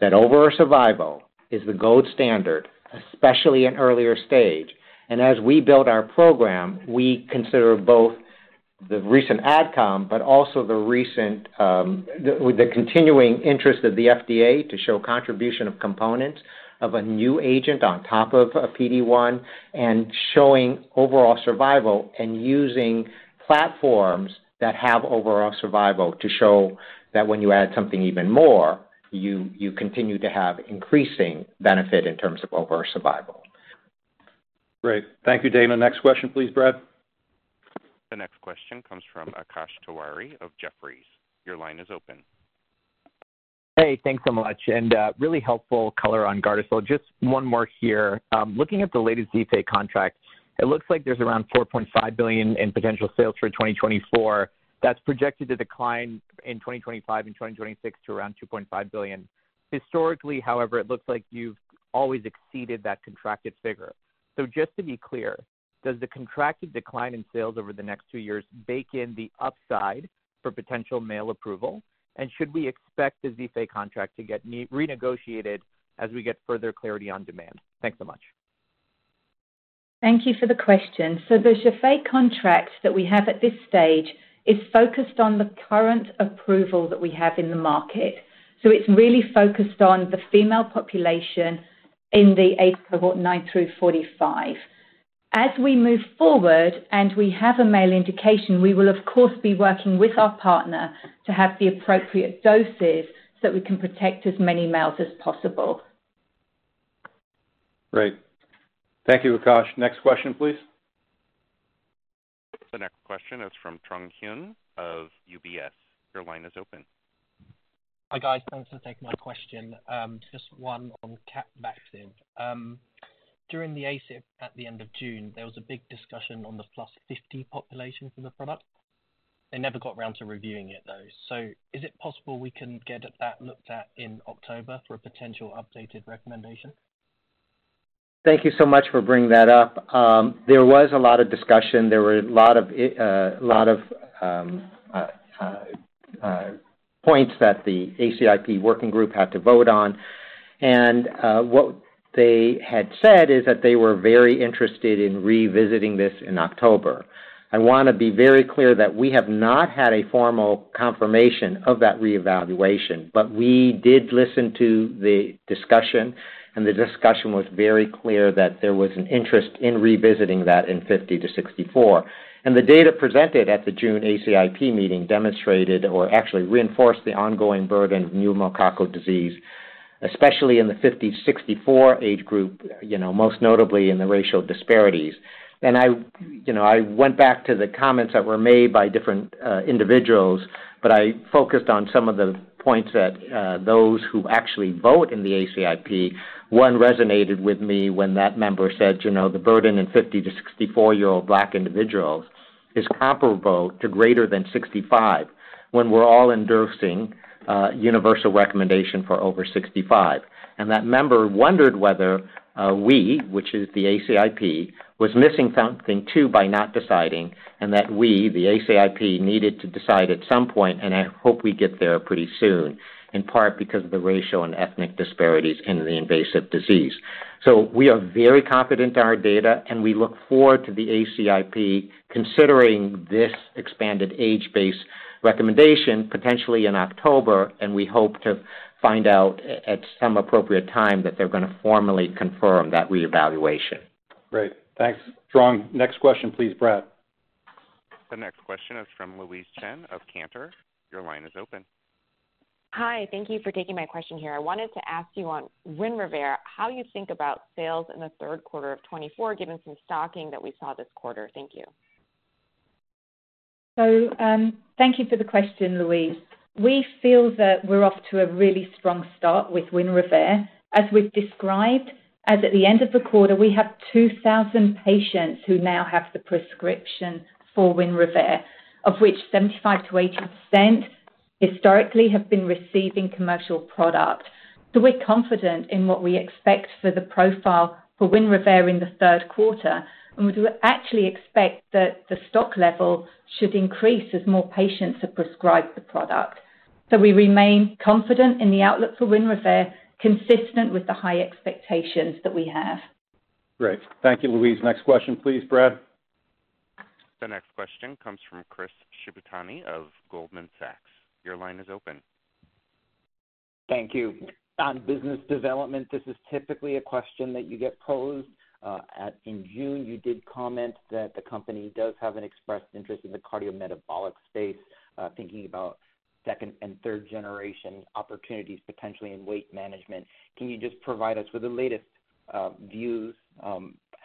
that overall survival is the gold standard, especially in earlier stage. As we build our program, we consider both the recent adcom, but also the recent, with the continuing interest of the FDA to show contribution of components of a new agent on top of a PD-1, and showing overall survival and using platforms that have overall survival to show that when you add something even more, you continue to have increasing benefit in terms of overall survival. Great. Thank you, Daina. Next question, please, Brad. The next question comes from Akash Tewari of Jefferies. Your line is open. Hey, thanks so much, and really helpful color on Gardasil. Just one more here. Looking at the latest Zhifei contract, it looks like there's around $4.5 billion in potential sales for 2024. That's projected to decline in 2025 and 2026 to around $2.5 billion. Historically, however, it looks like you've always exceeded that contracted figure. So just to be clear, does the contracted decline in sales over the next two years bake in the upside for potential male approval? And should we expect the Zhifei contract to get renegotiated as we get further clarity on demand? Thanks so much. Thank you for the question. So the Zhifei contract that we have at this stage is focused on the current approval that we have in the market. So it's really focused on the female population in the age cohort 9 through 45. As we move forward and we have a male indication, we will of course, be working with our partner to have the appropriate doses so we can protect as many males as possible. Great. Thank you, Akash. Next question, please. The next question is from Trung Huynh of UBS. Your line is open. Hi, guys. Thanks for taking my question. Just one on Capvaxive. During the ACIP at the end of June, there was a big discussion on the plus 50 population for the product. They never got around to reviewing it, though. So is it possible we can get at that looked at in October for a potential updated recommendation? Thank you so much for bringing that up. There was a lot of discussion. There were a lot of, a lot of, points that the ACIP working group had to vote on, and what they had said is that they were very interested in revisiting this in October. I want to be very clear that we have not had a formal confirmation of that reevaluation, but we did listen to the discussion, and the discussion was very clear that there was an interest in revisiting that in 50 to 64. And the data presented at the June ACIP meeting demonstrated, or actually reinforced, the ongoing burden of pneumococcal disease, especially in the 50-64 age group, you know, most notably in the racial disparities. I, you know, I went back to the comments that were made by different individuals, but I focused on some of the points that those who actually vote in the ACIP. One resonated with me when that member said, "You know, the burden in 50- to 64-year-old Black individuals is comparable to greater than 65, when we're all endorsing universal recommendation for over 65." And that member wondered whether we, which is the ACIP, was missing something too by not deciding, and that we, the ACIP, needed to decide at some point, and I hope we get there pretty soon, in part because of the racial and ethnic disparities in the invasive disease. We are very confident in our data, and we look forward to the ACIP considering this expanded age-based recommendation, potentially in October, and we hope to find out at some appropriate time that they're going to formally confirm that reevaluation. Great. Thanks, Trung. Next question, please, Brad. The next question is from Louise Chen of Cantor. Your line is open. Hi, thank you for taking my question here. I wanted to ask you on Winrevair, how you think about sales in the third quarter of 2024, given some stocking that we saw this quarter? Thank you. So, thank you for the question, Louise. We feel that we're off to a really strong start with Winrevair. As we've described, as at the end of the quarter, we have 2,000 patients who now have the prescription for Winrevair, of which 75%-80% historically have been receiving commercial product. So we're confident in what we expect for the profile for Winrevair in the third quarter, and we do actually expect that the stock level should increase as more patients are prescribed the product. So we remain confident in the outlook for Winrevair, consistent with the high expectations that we have. Great. Thank you, Louise. Next question, please, Brad. The next question comes from Chris Shibutani of Goldman Sachs. Your line is open. Thank you. On business development, this is typically a question that you get posed. In June, you did comment that the company does have an expressed interest in the cardiometabolic space, thinking about second and third generation opportunities, potentially in weight management. Can you just provide us with the latest?... views,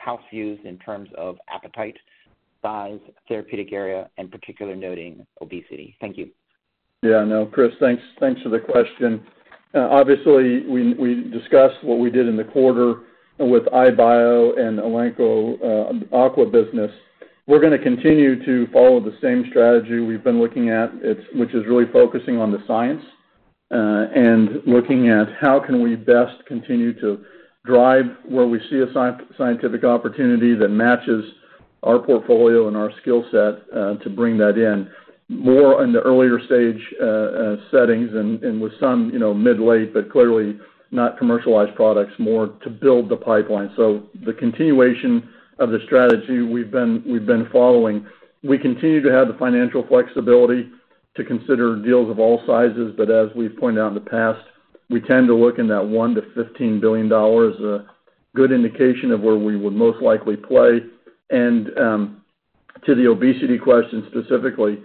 house views in terms of appetite, size, therapeutic area, and particularly noting obesity. Thank you. Yeah, no, Chris, thanks for the question. Obviously, we discussed what we did in the quarter with EyeBio and Elanco Aqua business. We're gonna continue to follow the same strategy we've been looking at, it's—which is really focusing on the science, and looking at how can we best continue to drive where we see a scientific opportunity that matches our portfolio and our skill set, to bring that in. More in the earlier stage settings and with some, you know, mid late, but clearly not commercialized products, more to build the pipeline. So the continuation of the strategy we've been following, we continue to have the financial flexibility to consider deals of all sizes. But as we've pointed out in the past, we tend to look in that $1 billion-$15 billion, a good indication of where we would most likely play. And to the obesity question, specifically,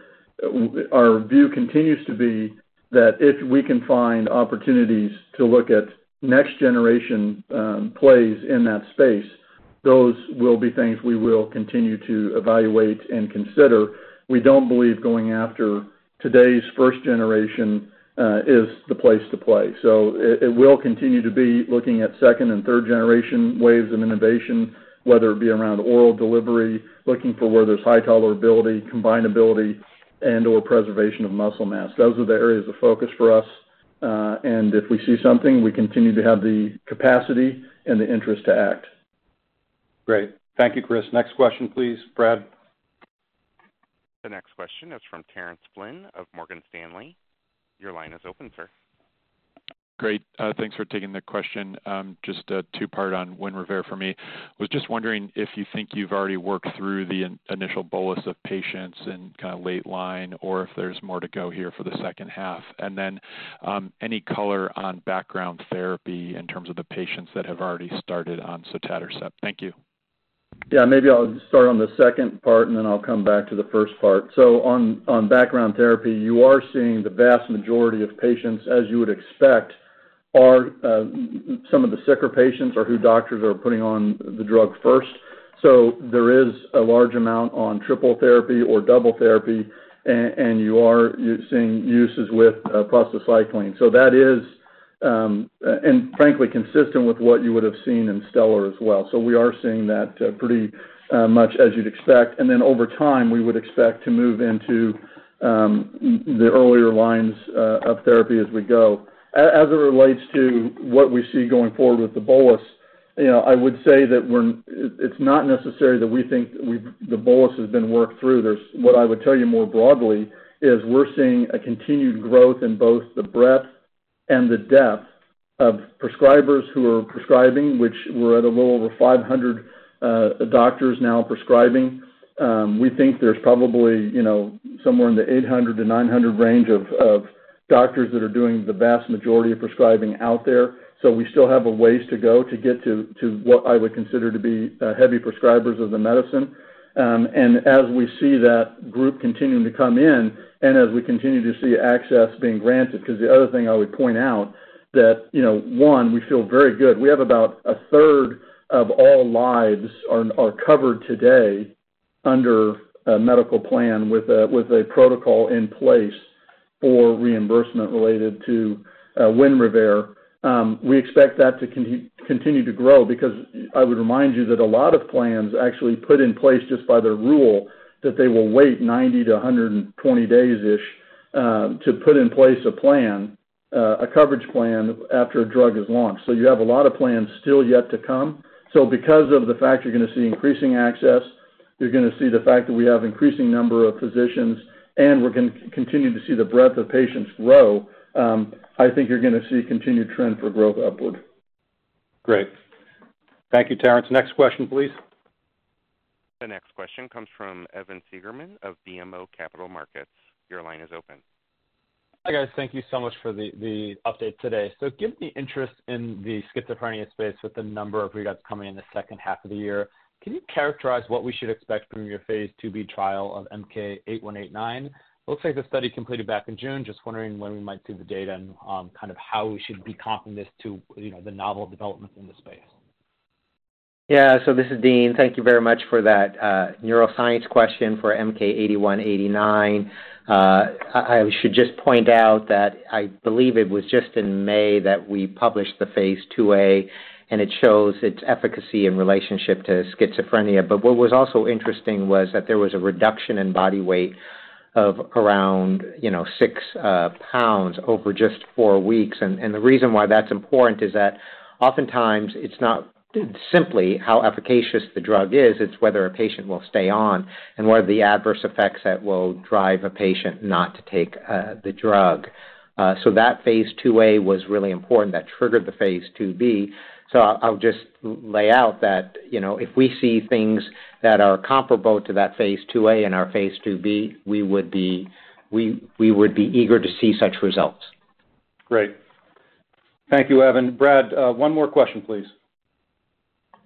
our view continues to be that if we can find opportunities to look at next generation plays in that space, those will be things we will continue to evaluate and consider. We don't believe going after today's first generation is the place to play. So it will continue to be looking at second and third generation waves of innovation, whether it be around oral delivery, looking for where there's high tolerability, combinability, and/or preservation of muscle mass. Those are the areas of focus for us. And if we see something, we continue to have the capacity and the interest to act. Great. Thank you, Chris. Next question, please, Brad. The next question is from Terence Flynn of Morgan Stanley. Your line is open, sir. Great, thanks for taking the question. Just a two-part on Winrevair for me. Was just wondering if you think you've already worked through the initial bolus of patients in kind of late line, or if there's more to go here for the second half? And then, any color on background therapy in terms of the patients that have already started on sotatercept. Thank you. Yeah, maybe I'll start on the second part, and then I'll come back to the first part. So on background therapy, you are seeing the vast majority of patients, as you would expect, are some of the sicker patients who doctors are putting on the drug first. So there is a large amount on triple therapy or double therapy, and you are using it with cyclosporine. So that is. And frankly, consistent with what you would have seen in STELLAR as well. So we are seeing that pretty much as you'd expect. And then over time, we would expect to move into the earlier lines of therapy as we go. As it relates to what we see going forward with the bolus, you know, I would say that we're—it's not necessary that we think we've—the bolus has been worked through. There's—what I would tell you more broadly is we're seeing a continued growth in both the breadth and the depth of prescribers who are prescribing, which we're at a little over 500 doctors now prescribing. We think there's probably, you know, somewhere in the 800 to 900 range of doctors that are doing the vast majority of prescribing out there. So we still have a ways to go to get to what I would consider to be heavy prescribers of the medicine. And as we see that group continuing to come in, and as we continue to see access being granted, because the other thing I would point out that, you know, one, we feel very good. We have about a third of all lives are, are covered today under a medical plan with a, with a protocol in place for reimbursement related to Winrevair. We expect that to continue to grow because I would remind you that a lot of plans actually put in place just by the rule, that they will wait 90-120 days-ish to put in place a plan, a coverage plan after a drug is launched. So you have a lot of plans still yet to come. So because of the fact you're gonna see increasing access, you're gonna see the fact that we have increasing number of physicians, and we're continuing to see the breadth of patients grow, I think you're gonna see continued trend for growth upward. Great. Thank you, Terence. Next question, please. The next question comes from Evan Seigerman of BMO Capital Markets. Your line is open. Hi, guys. Thank you so much for the update today. Given the interest in the schizophrenia space with the number of readouts coming in the second half of the year, can you characterize what we should expect from your phase IIb trial of MK-8189? Looks like the study completed back in June. Just wondering when we might see the data and kind of how we should be comparing this to, you know, the novel developments in the space. Yeah, so this is Dean. Thank you very much for that, neuroscience question for MK-8189. I, I should just point out that I believe it was just in May that we published the phase IIa, and it shows its efficacy in relationship to schizophrenia. But what was also interesting was that there was a reduction in body weight of around, you know, 6 pounds over just 4 weeks. And, and the reason why that's important is that oftentimes it's not simply how efficacious the drug is, it's whether a patient will stay on and what are the adverse effects that will drive a patient not to take the drug. So that phase IIa was really important. That triggered the phase IIb. I'll just lay out that, you know, if we see things that are comparable to that phase IIa and our phase IIb, we would be eager to see such results. Great. Thank you, Evan. Brad, one more question, please.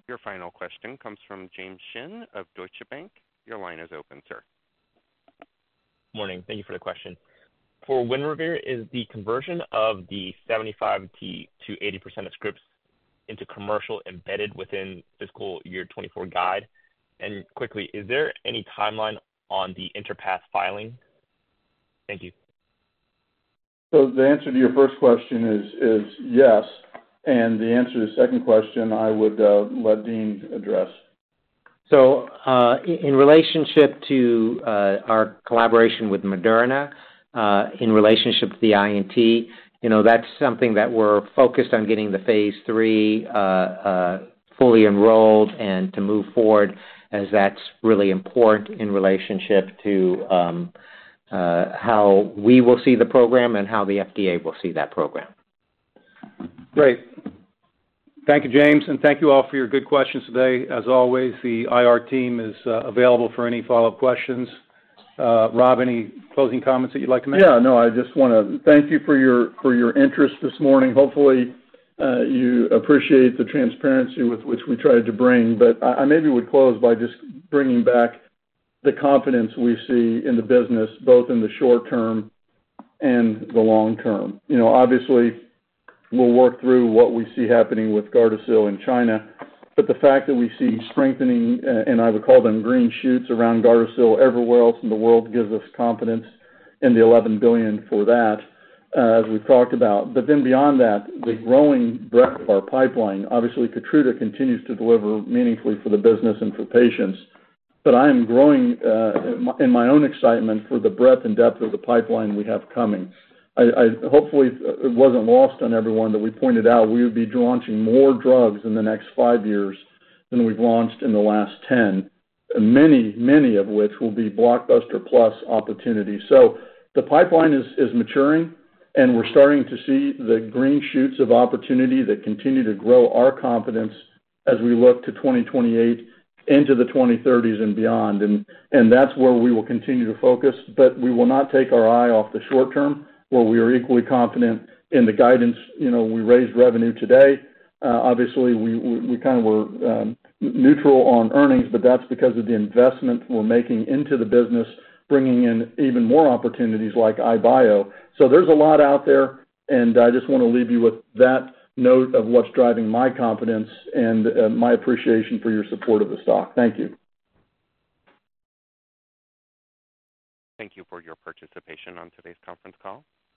Your final question comes from James Shin of Deutsche Bank. Your line is open, sir.... Morning. Thank you for the question. For Winrevair, is the conversion of the 75%-80% of scripts into commercial embedded within fiscal year 2024 guide? And quickly, is there any timeline on the INT filing? Thank you. The answer to your first question is yes, and the answer to the second question, I would let Dean address. So, in relationship to our collaboration with Moderna, in relationship to the INF you know, that's something that we're focused on getting the phase III fully enrolled and to move forward, as that's really important in relationship to how we will see the program and how the FDA will see that program. Great. Thank you, James, and thank you all for your good questions today. As always, the IR team is available for any follow-up questions. Rob, any closing comments that you'd like to make? Yeah, no, I just want to thank you for your interest this morning. Hopefully, you appreciate the transparency with which we tried to bring, but I maybe would close by just bringing back the confidence we see in the business, both in the short term and the long term. You know, obviously, we'll work through what we see happening with Gardasil in China, but the fact that we see strengthening, and I would call them green shoots around Gardasil everywhere else in the world, gives us confidence in the $11 billion for that, as we've talked about. But then beyond that, the growing breadth of our pipeline. Obviously, Keytruda continues to deliver meaningfully for the business and for patients. But I am growing in my own excitement for the breadth and depth of the pipeline we have coming. I hopefully, it wasn't lost on everyone that we pointed out we would be launching more drugs in the next 5 years than we've launched in the last 10. Many, many of which will be blockbuster plus opportunities. So the pipeline is maturing, and we're starting to see the green shoots of opportunity that continue to grow our confidence as we look to 2028 into the 2030s and beyond. And that's where we will continue to focus, but we will not take our eye off the short term, where we are equally confident in the guidance. You know, we raised revenue today. Obviously, we kind of were neutral on earnings, but that's because of the investment we're making into the business, bringing in even more opportunities like EyeBio. So there's a lot out there, and I just want to leave you with that note of what's driving my confidence and my appreciation for your support of the stock. Thank you. Thank you for your participation on today's conference call.